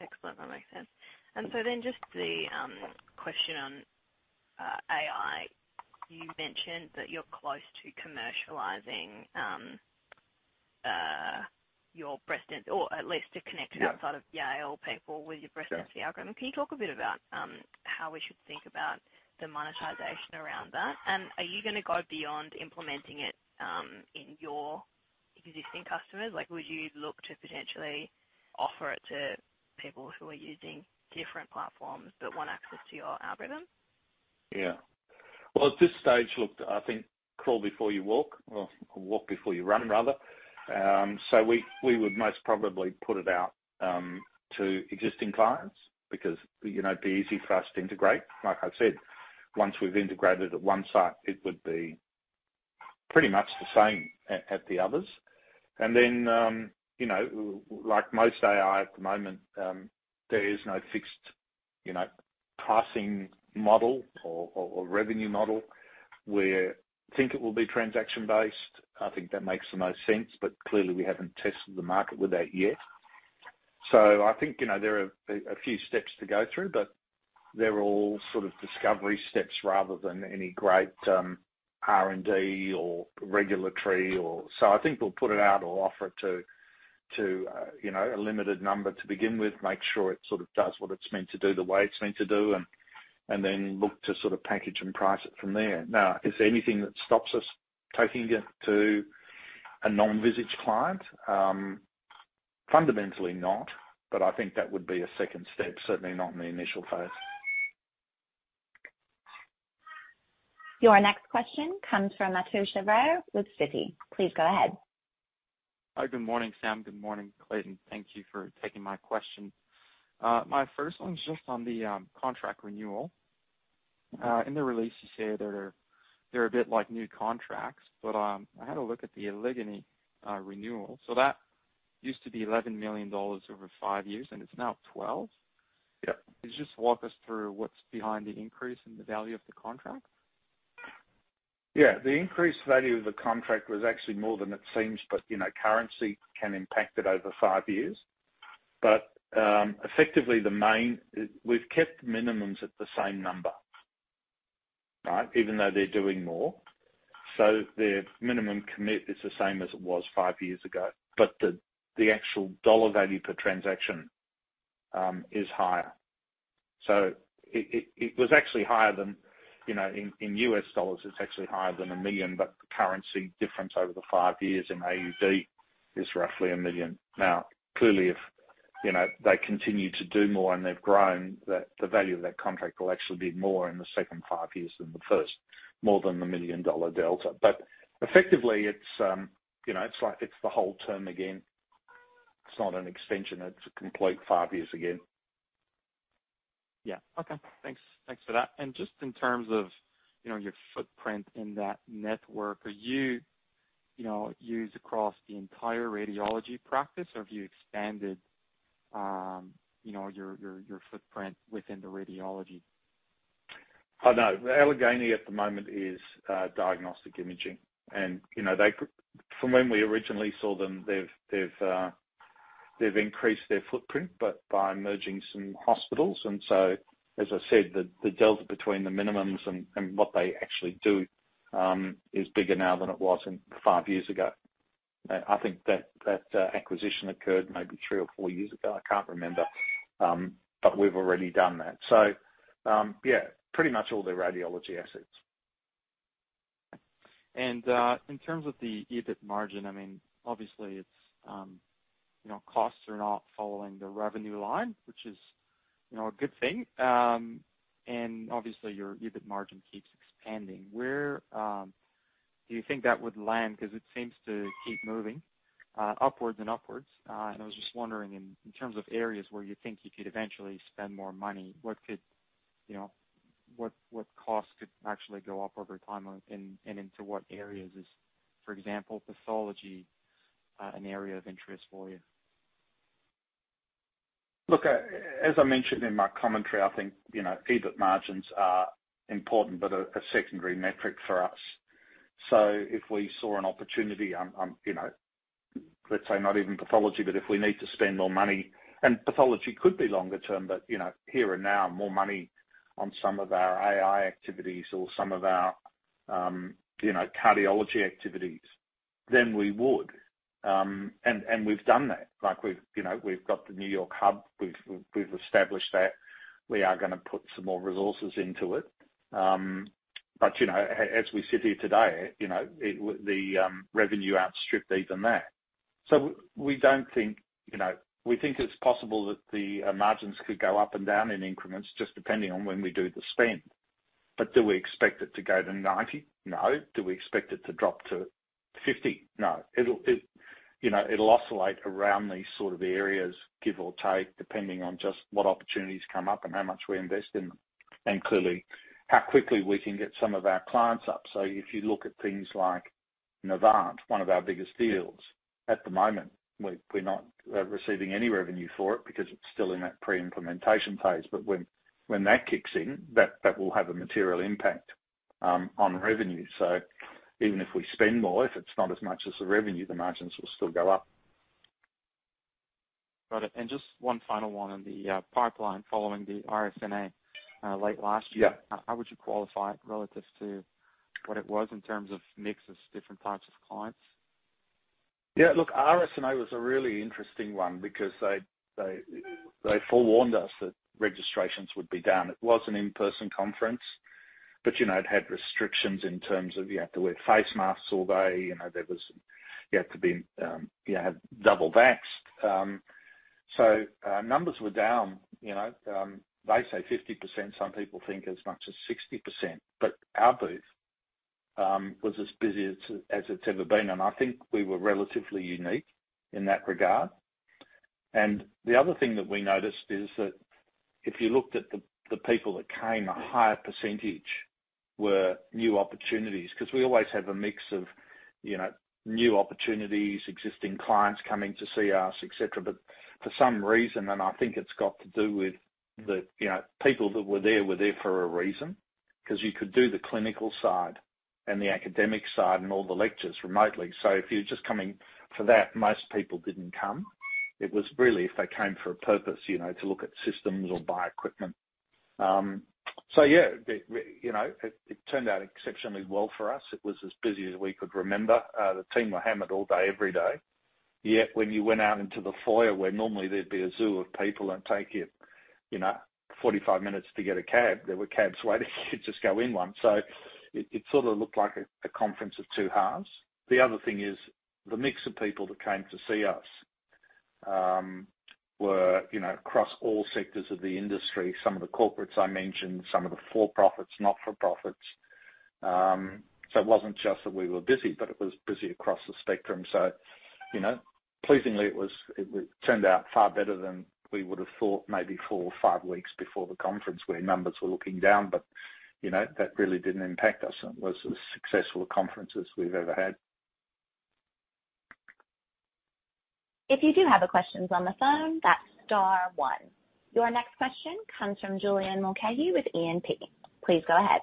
Excellent. That makes sense. Just the question on AI. You mentioned that you're close to commercializing your breast density or at least to connect it. Yeah. Outside of Yale people with your breast density algorithm. Yeah. Can you talk a bit about how we should think about the monetization around that? Are you gonna go beyond implementing it in your existing customers? Like, would you look to potentially offer it to people who are using different platforms but want access to your algorithm? Yeah. Well, at this stage, look, I think crawl before you walk or walk before you run, rather. We would most probably put it out to existing clients because, you know, it'd be easy for us to integrate. Like I said, once we've integrated at one site, it would be pretty much the same at the others. Then, you know, like most AI at the moment, there is no fixed, you know, pricing model or revenue model. We think it will be transaction-based. I think that makes the most sense, but clearly we haven't tested the market with that yet. I think, you know, there are a few steps to go through, but they're all sort of discovery steps rather than any great R&D or regulatory. I think we'll put it out or offer it to you know, a limited number to begin with, make sure it sort of does what it's meant to do, the way it's meant to do, and then look to sort of package and price it from there. Now, is there anything that stops us taking it to a non-Visage client? Fundamentally not, but I think that would be a second step, certainly not in the initial phase. Your next question comes from Mathieu Chevrier with Citi. Please go ahead. Hi. Good morning, Sam. Good morning, Clayton. Thank you for taking my question. My first one's just on the contract renewal. In the release you say that they're a bit like new contracts, but I had a look at the Allegheny renewal. That used to be $11 million over five years, and it's now $12 million? Yeah. Can you just walk us through what's behind the increase in the value of the contract? Yeah. The increased value of the contract was actually more than it seems, but you know, currency can impact it over five years. Effectively, we've kept minimums at the same number, right? Even though they're doing more. Their minimum commit is the same as it was five years ago, but the actual dollar value per transaction is higher. It was actually higher than, you know, in US dollars, it's actually higher than $1 million, but the currency difference over the five years in AUD is roughly 1 million. Now, clearly, if you know, they continue to do more and they've grown, that the value of that contract will actually be more in the second five years than the first, more than the million-dollar delta. Effectively it's, you know, it's like it's the whole term again. It's not an extension, it's a complete five years again. Yeah. Okay. Thanks. Thanks for that. Just in terms of, you know, your footprint in that network, are you know, used across the entire radiology practice or have you expanded, you know, your footprint within the radiology? Oh, no. Allegheny at the moment is diagnostic imaging. You know, they from when we originally saw them, they've increased their footprint, but by merging some hospitals. As I said, the delta between the minimums and what they actually do is bigger now than it was five years ago. I think that acquisition occurred maybe three or four years ago. I can't remember. But we've already done that. Yeah, pretty much all their radiology assets. In terms of the EBIT margin, I mean, obviously it's, you know, costs are not following the revenue line, which is, you know, a good thing. Obviously your EBIT margin keeps expanding. Where do you think that would land? 'Cause it seems to keep moving upwards and upwards. I was just wondering in terms of areas where you think you could eventually spend more money, what could, you know, what costs could actually go up over time and into what areas? Is, for example, pathology an area of interest for you? Look, as I mentioned in my commentary, I think, you know, EBIT margins are important, but a secondary metric for us. If we saw an opportunity on, you know, let's say not even pathology, but if we need to spend more money, and pathology could be longer term, but, you know, here and now, more money on some of our AI activities or some of our, you know, cardiology activities, then we would. We've done that. Like we've, you know, got the New York hub, we've established that. We are gonna put some more resources into it. You know, as we sit here today, you know, the revenue outstripped even that. We don't think, you know, we think it's possible that the margins could go up and down in increments just depending on when we do the spend. Do we expect it to go to 90%? No. Do we expect it to drop to 50%? No. It'll, you know, it'll oscillate around these sort of areas, give or take, depending on just what opportunities come up and how much we invest in them, and clearly how quickly we can get some of our clients up. If you look at things like Novant, one of our biggest deals at the moment, we're not receiving any revenue for it because it's still in that pre-implementation phase. When that kicks in, that will have a material impact on revenue. Even if we spend more, if it's not as much as the revenue, the margins will still go up. Got it. Just one final one on the pipeline following the RSNA late last year. Yeah. How would you qualify it relative to what it was in terms of mix of different types of clients? Yeah, look, RSNA was a really interesting one because they forewarned us that registrations would be down. It was an in-person conference, but, you know, it had restrictions in terms of you have to wear face masks all day. You know, there was you had to be double vaxxed. So numbers were down, you know, they say 50%, some people think as much as 60%. But our booth was as busy as it's ever been, and I think we were relatively unique in that regard. The other thing that we noticed is that if you looked at the people that came, a higher percentage were new opportunities, 'cause we always have a mix of, you know, new opportunities, existing clients coming to see us, et cetera. For some reason, I think it's got to do with the, you know, people that were there for a reason, 'cause you could do the clinical side and the academic side, and all the lectures remotely. If you're just coming for that, most people didn't come. It was really if they came for a purpose, you know, to look at systems or buy equipment. Yeah, it, you know, turned out exceptionally well for us. It was as busy as we could remember. The team were hammered all day, every day. Yet, when you went out into the foyer where normally there'd be a zoo of people and take you know, 45 minutes to get a cab, there were cabs waiting you just go in one. It sort of looked like a conference of two halves. The other thing is the mix of people that came to see us were, you know, across all sectors of the industry. Some of the corporates I mentioned, some of the for-profits, not-for-profits. It wasn't just that we were busy, but it was busy across the spectrum. You know, pleasingly, it turned out far better than we would have thought maybe four or five weeks before the conference, where numbers were looking down. You know, that really didn't impact us. It was as successful a conference as we've ever had. If you do have a question on the phone, that's star one. Your next question comes from Julian Mulcahy with E&P. Please go ahead.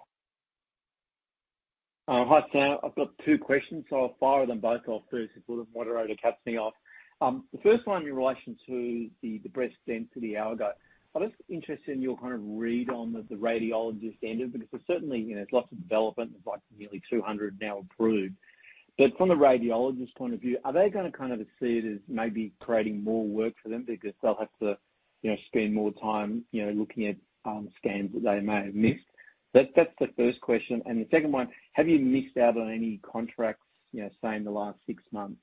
Hi, Sam. I've got two questions, so I'll fire them both off first before the moderator cuts me off. The first one in relation to the breast density algo. I'm just interested in your kind of read on the radiologist end of it, because there's certainly, you know, there's lots of development. There's like nearly 200 now approved. But from the radiologist point of view, are they gonna kind of see it as maybe creating more work for them because they'll have to, you know, spend more time, you know, looking at scans that they may have missed? That's the first question. The second one, have you missed out on any contracts, you know, say, in the last six months?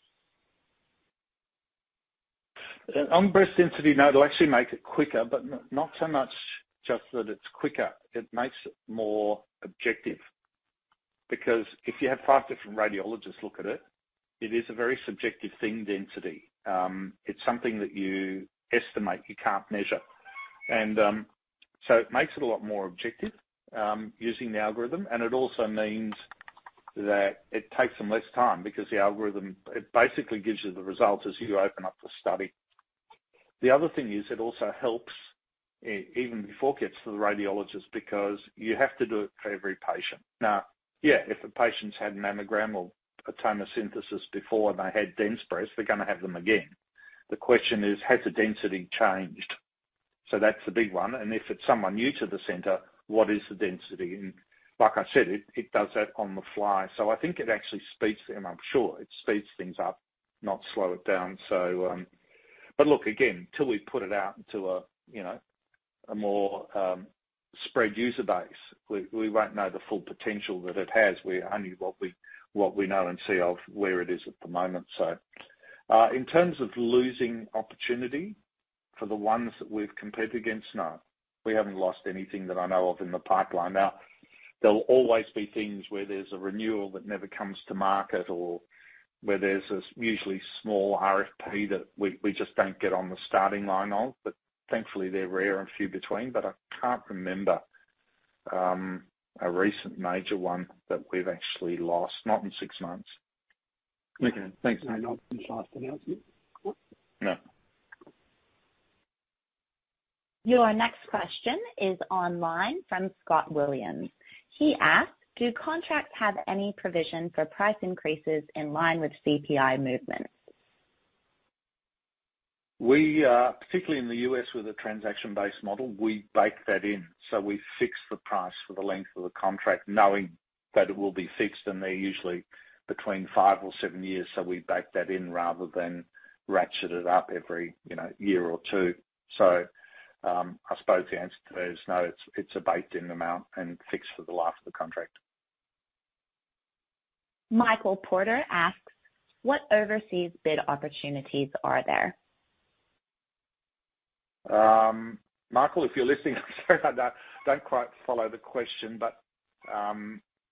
On breast density, no, they'll actually make it quicker, but not so much just that it's quicker. It makes it more objective. Because if you have five different radiologists look at it is a very subjective thing, density. It's something that you estimate, you can't measure. So it makes it a lot more objective using the algorithm, and it also means that it takes them less time because the algorithm, it basically gives you the results as you open up the study. The other thing is it also helps even before it gets to the radiologist because you have to do it for every patient. Now, yeah, if the patients had a mammogram or a tomosynthesis before and they had dense breasts, they're gonna have them again. The question is, has the density changed? So that's the big one. If it's someone new to the center, what is the density? Like I said, it does that on the fly. I think it actually speeds, and I'm sure it speeds things up, not slow it down. But look again, till we put it out into a, you know, a more spread user base, we won't know the full potential that it has. We only know what we know and see of where it is at the moment. In terms of losing opportunity for the ones that we've competed against, no, we haven't lost anything that I know of in the pipeline. Now, there'll always be things where there's a renewal that never comes to market or where there's this usually small RFP that we just don't get on the starting line of, but thankfully they're few and far between. I can't remember a recent major one that we've actually lost. Not in six months. Okay, thanks. Maybe not since last announcement? No. Your next question is online from Scott Williams. He asks, "Do contracts have any provision for price increases in line with CPI movements?" We particularly in the U.S. with a transaction-based model, we bake that in. We fix the price for the length of the contract, knowing that it will be fixed. They're usually between five or seven years, so we bake that in rather than ratchet it up every, you know, year or two. I suppose the answer to that is no, it's a baked-in amount and fixed for the life of the contract. Michael Porter asks, "What overseas bid opportunities are there?" Michael, if you're listening, sorry about that. Don't quite follow the question, but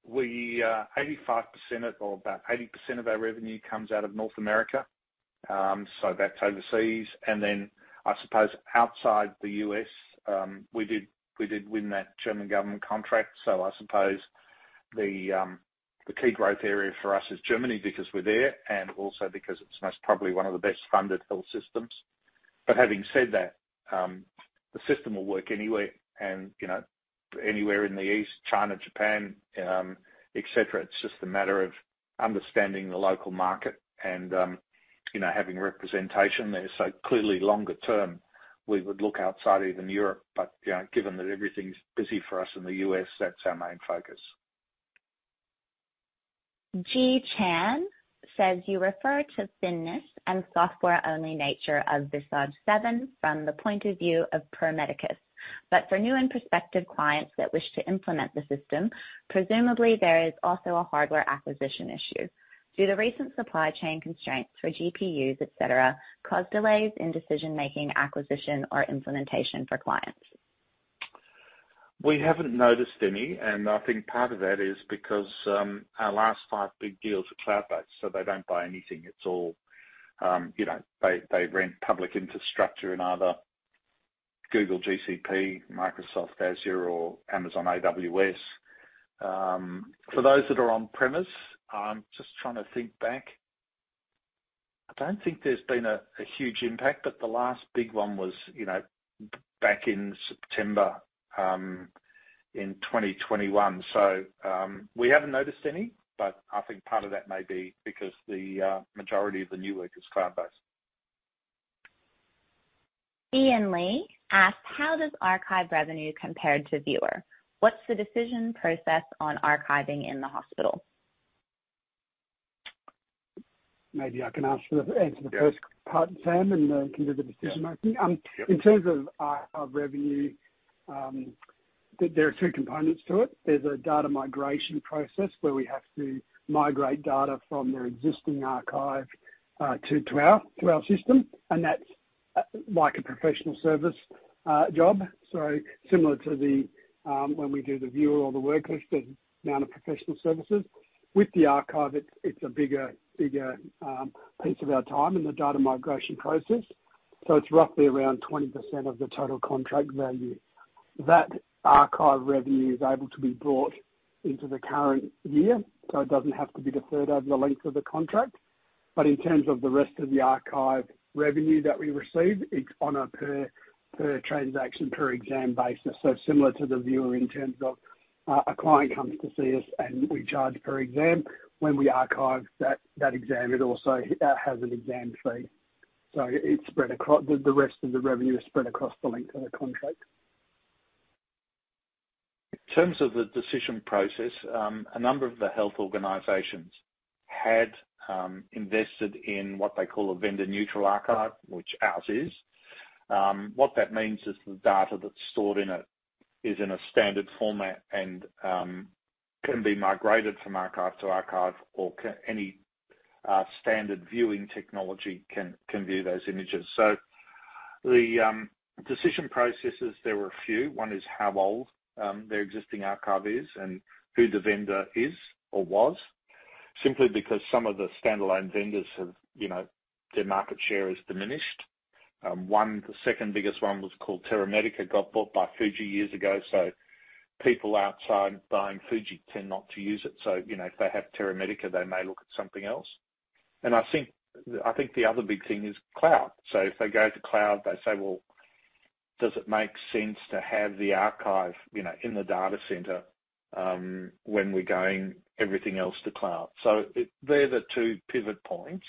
we 85% or about 80% of our revenue comes out of North America. That's overseas. I suppose outside the U.S., we did win that German government contract. I suppose the key growth area for us is Germany, because we're there and also because it's most probably one of the best funded health systems. Having said that, the system will work anywhere and, you know, anywhere in the East, China, Japan, et cetera. It's just a matter of understanding the local market and, you know, having representation there. Clearly longer term, we would look outside even Europe. You know, given that everything's busy for us in the U.S., that's our main focus. "You refer to thinness and software-only nature of Visage 7 from the point of view of Pro Medicus. For new and prospective clients that wish to implement the system, presumably there is also a hardware acquisition issue. Do the recent supply chain constraints for GPUs, et cetera, cause delays in decision making, acquisition or implementation for clients?" We haven't noticed any. I think part of that is because our last five big deals are cloud-based, so they don't buy anything. It's all, you know, they rent public infrastructure in either Google GCP, Microsoft Azure or Amazon AWS. For those that are on premise, I'm just trying to think back. I don't think there's been a huge impact, but the last big one was, you know, back in September 2021. We haven't noticed any, but I think part of that may be because the majority of the new work is cloud-based. Ian Lee asks, "How does archive revenue compare to viewer? What's the decision process on archiving in the hospital?" Answer the first part, Sam, and can do the decision making. In terms of archive revenue, there are two components to it. There's a data migration process where we have to migrate data from their existing archive to our system, and that's like a professional service job. Similar to the when we do the viewer or the worklist amount of professional services. With the archive, it's a bigger piece of our time in the data migration process. It's roughly around 20% of the total contract value. That archive revenue is able to be brought into the current year, so it doesn't have to be deferred over the length of the contract. In terms of the rest of the archive revenue that we receive, it's on a per transaction per exam basis. Similar to the viewer in terms of a client comes to see us and we charge per exam. When we archive that exam, it also has an exam fee. It's spread. The rest of the revenue is spread across the length of the contract. In terms of the decision process, a number of the health organizations had invested in what they call a Vendor Neutral Archive, which ours is. What that means is the data that's stored in it is in a standard format and can be migrated from archive to archive or any standard viewing technology can view those images. The decision processes, there were a few. One is how old their existing archive is and who the vendor is or was. Simply because some of the standalone vendors have, you know, their market share has diminished. One, the second biggest one was called TeraMedica, got bought by Fujifilm years ago. So people outside buying Fujifilm tend not to use it. So, you know, if they have TeraMedica, they may look at something else. I think the other big thing is cloud. If they go to cloud, they say, "Well, does it make sense to have the archive, you know, in the data center, when we're going everything else to cloud?" They're the two pivot points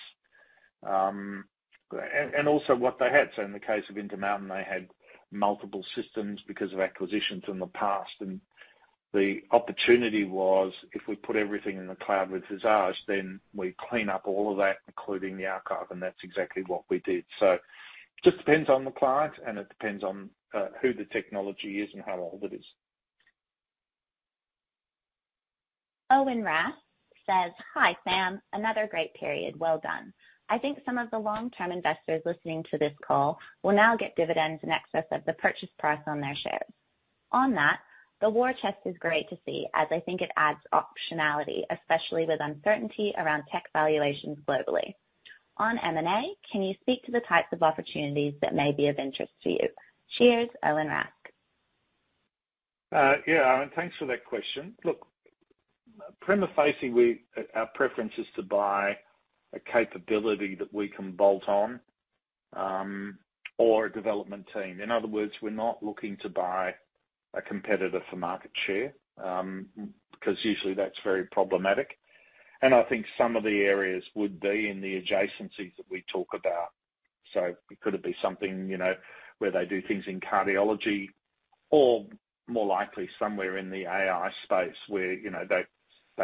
and also what they had. In the case of Intermountain, they had multiple systems because of acquisitions in the past. The opportunity was if we put everything in the cloud, which is ours, then we clean up all of that, including the archive. That's exactly what we did. It just depends on the client, and it depends on what the technology is and how old it is. Owen Rask says, "Hi, Sam. Another great period. Well done. I think some of the long-term investors listening to this call will now get dividends in excess of the purchase price on their shares. On that, the war chest is great to see, as I think it adds optionality, especially with uncertainty around tech valuations globally. On M&A, can you speak to the types of opportunities that may be of interest to you? Cheers. Owen Rask." Yeah, Owen. Thanks for that question. Look, prima facie, our preference is to buy a capability that we can bolt on, or a development team. In other words, we're not looking to buy a competitor for market share, because usually that's very problematic. I think some of the areas would be in the adjacencies that we talk about. It could be something, you know, where they do things in cardiology or more likely somewhere in the AI space where, you know, they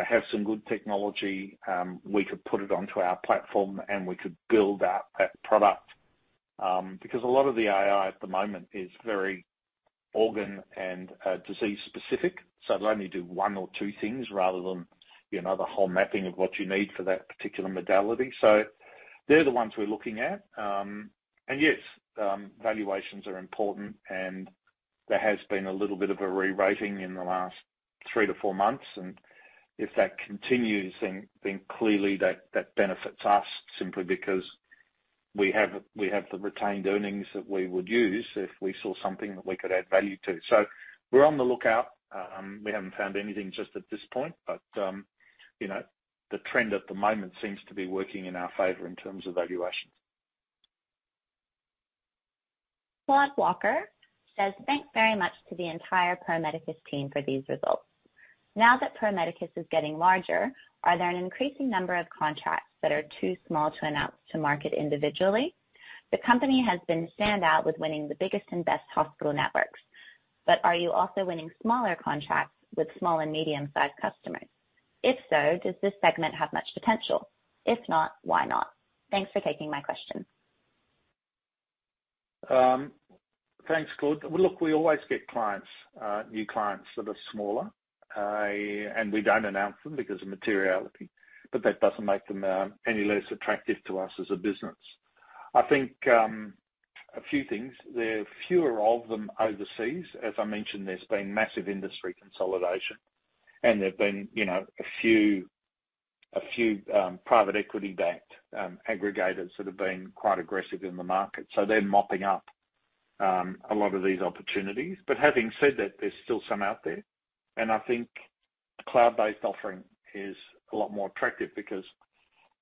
have some good technology, we could put it onto our platform, and we could build out that product. Because a lot of the AI at the moment is very organ- and disease specific. They'll only do one or two things rather than, you know, the whole mapping of what you need for that particular modality. They're the ones we're looking at. Valuations are important, and there has been a little bit of a rerating in the last three-four months. If that continues, clearly that benefits us simply because we have the retained earnings that we would use if we saw something that we could add value to. We're on the lookout. We haven't found anything just at this point, you know, the trend at the moment seems to be working in our favor in terms of valuations. Claude Walker says, "Thanks very much to the entire Pro Medicus team for these results. Now that Pro Medicus is getting larger, are there an increasing number of contracts that are too small to announce to market individually? The company has been standout with winning the biggest and best hospital networks. Are you also winning smaller contracts with small and medium-sized customers? If so, does this segment have much potential? If not, why not? Thanks for taking my question." Thanks, Claude. Well, look, we always get clients, new clients that are smaller. And we don't announce them because of materiality, but that doesn't make them any less attractive to us as a business. I think a few things. There are fewer of them overseas. As I mentioned, there's been massive industry consolidation, and there have been, you know, a few private equity-backed aggregators that have been quite aggressive in the market. So they're mopping up a lot of these opportunities. But having said that, there's still some out there. And I think cloud-based offering is a lot more attractive because,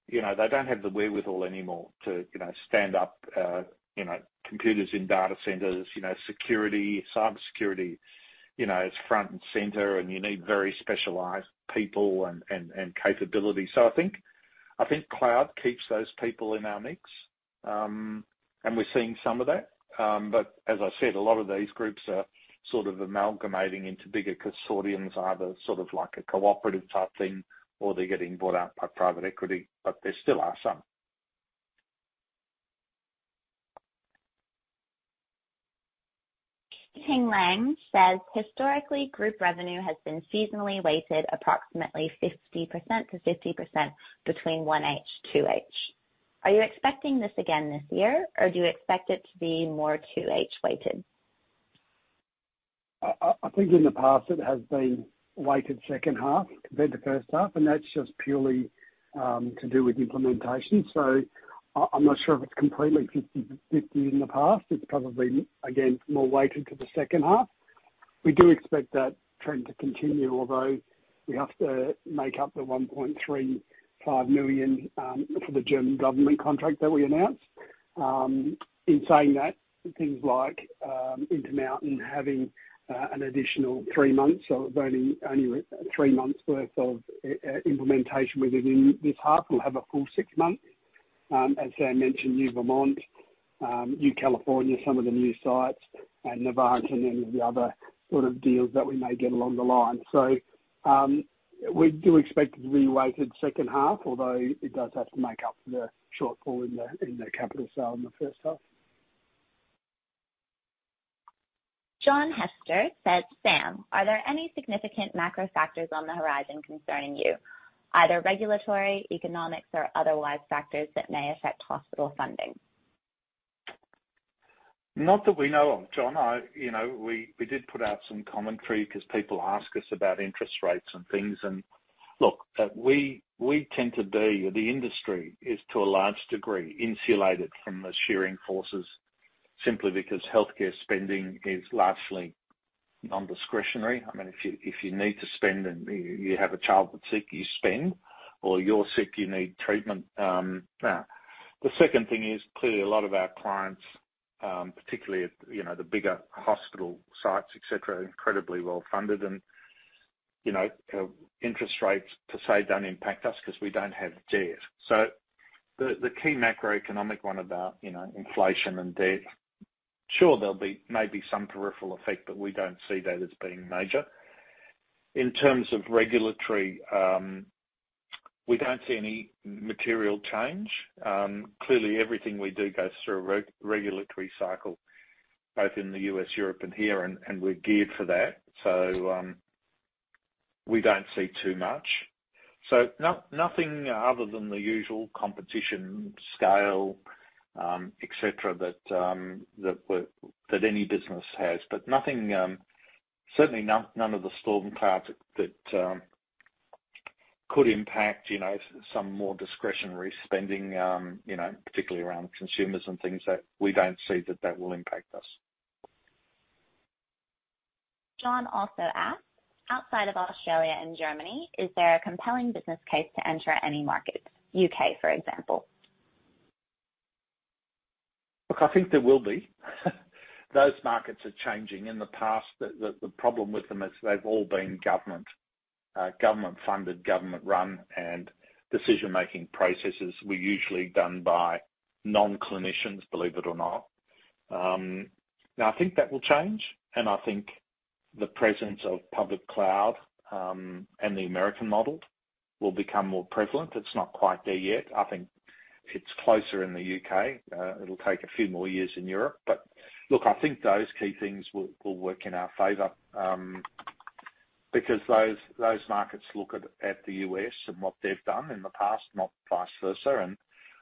you know, they don't have the wherewithal anymore to, you know, stand up computers in data centers, you know, security. Cybersecurity, you know, is front and center, and you need very specialized people and capability. I think cloud keeps those people in our mix. We're seeing some of that. As I said, a lot of these groups are sort of amalgamating into bigger consortiums, either sort of like a cooperative type thing or they're getting bought out by private equity. There still are some. Hing Lam says, "Historically, group revenue has been seasonally weighted approximately 50%-50% between 1H, 2H. Are you expecting this again this year, or do you expect it to be more 2H weighted?" I think in the past it has been weighted second half compared to first half, and that's just purely to do with implementation. I'm not sure if it's completely 50-50 in the past. It's probably, again, more weighted to the second half. We do expect that trend to continue, although we have to make up the 1.35 million for the German government contract that we announced. In saying that, things like Intermountain having an additional three months of earning only three months' worth of implementation within this half. We'll have a full six months. As Sam mentioned, new Vermont, new California, some of the new sites and Novant and any of the other sort of deals that we may get along the line. We do expect it to be weighted second half, although it does have to make up for the shortfall in the capital sale in the first half. "Sam, are there any significant macro factors on the horizon concerning you, either regulatory, economics or otherwise factors that may affect hospital funding?" Not that we know of, John. You know, we did put out some commentary because people ask us about interest rates and things. Look, we tend to be, the industry is to a large degree, insulated from the shearing forces simply because healthcare spending is largely non-discretionary. I mean, if you need to spend and you have a child that's sick, you spend. Or you're sick, you need treatment. The second thing is, clearly a lot of our clients, particularly, you know, the bigger hospital sites, et cetera, are incredibly well-funded and, you know, interest rates per se don't impact us 'cause we don't have debt. The key macroeconomic one about, you know, inflation and debt. Sure, there'll be maybe some peripheral effect, but we don't see that as being major. In terms of regulatory, we don't see any material change. Clearly everything we do goes through a regulatory cycle, both in the U.S., Europe, and here, and we're geared for that. We don't see too much. Nothing other than the usual competition scale, et cetera, that any business has. Nothing, certainly none of the storm clouds that could impact, you know, some more discretionary spending, you know, particularly around consumers and things that we don't see that will impact us. John Hester also asks, "Outside of Australia and Germany, is there a compelling business case to enter any markets? U.K., for example." Look, I think there will be. Those markets are changing. In the past, the problem with them is they've all been government-funded, government-run, and decision-making processes were usually done by non-clinicians, believe it or not. Now, I think that will change, and I think the presence of public cloud and the American model will become more prevalent. It's not quite there yet. I think it's closer in the U.K. It'll take a few more years in Europe. But look, I think those key things will work in our favor, because those markets look at the U.S. and what they've done in the past, not vice versa.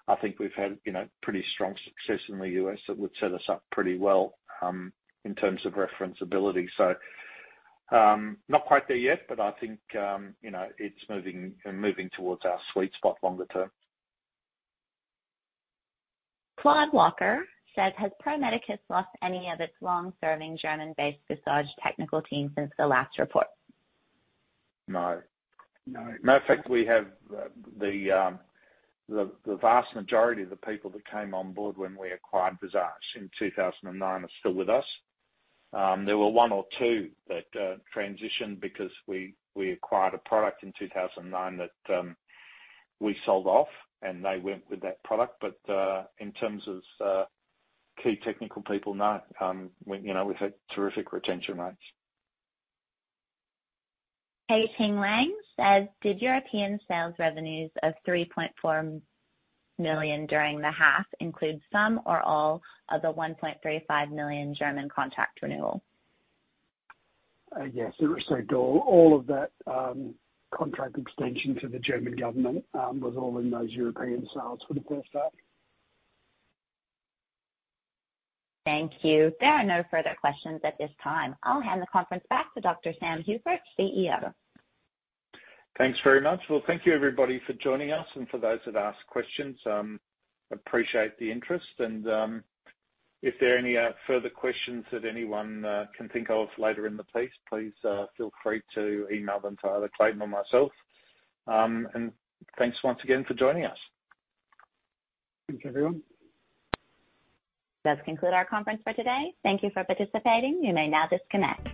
I think we've had, you know, pretty strong success in the U.S. that would set us up pretty well, in terms of reference ability. Not quite there yet, but I think, you know, it's moving towards our sweet spot longer term. "Has Pro Medicus lost any of its long-serving German-based Visage technical team since the last report?" No. No. Matter of fact, we have the vast majority of the people that came on board when we acquired Visage in 2009 are still with us. There were one or two that transitioned because we acquired a product in 2009 that we sold off, and they went with that product. In terms of key technical people, no. We, you know, we've had terrific retention rates. Hing Lam says, "Did European sales revenues of 3.4 million during the half include some or all of the 1.35 million German contract renewal?" Yes. Sorry, all of that contract extension to the German government was all in those European sales for the first half. Thank you. There are no further questions at this time. I'll hand the conference back to Dr. Sam Hupert, CEO. Thanks very much. Well, thank you, everybody for joining us and for those that asked questions. Appreciate the interest and, if there are any further questions that anyone can think of later in the piece, please feel free to email them to either Clayton or myself. Thanks once again for joining us. Thanks, everyone. does conclude our conference for today. Thank you for participating. You may now disconnect.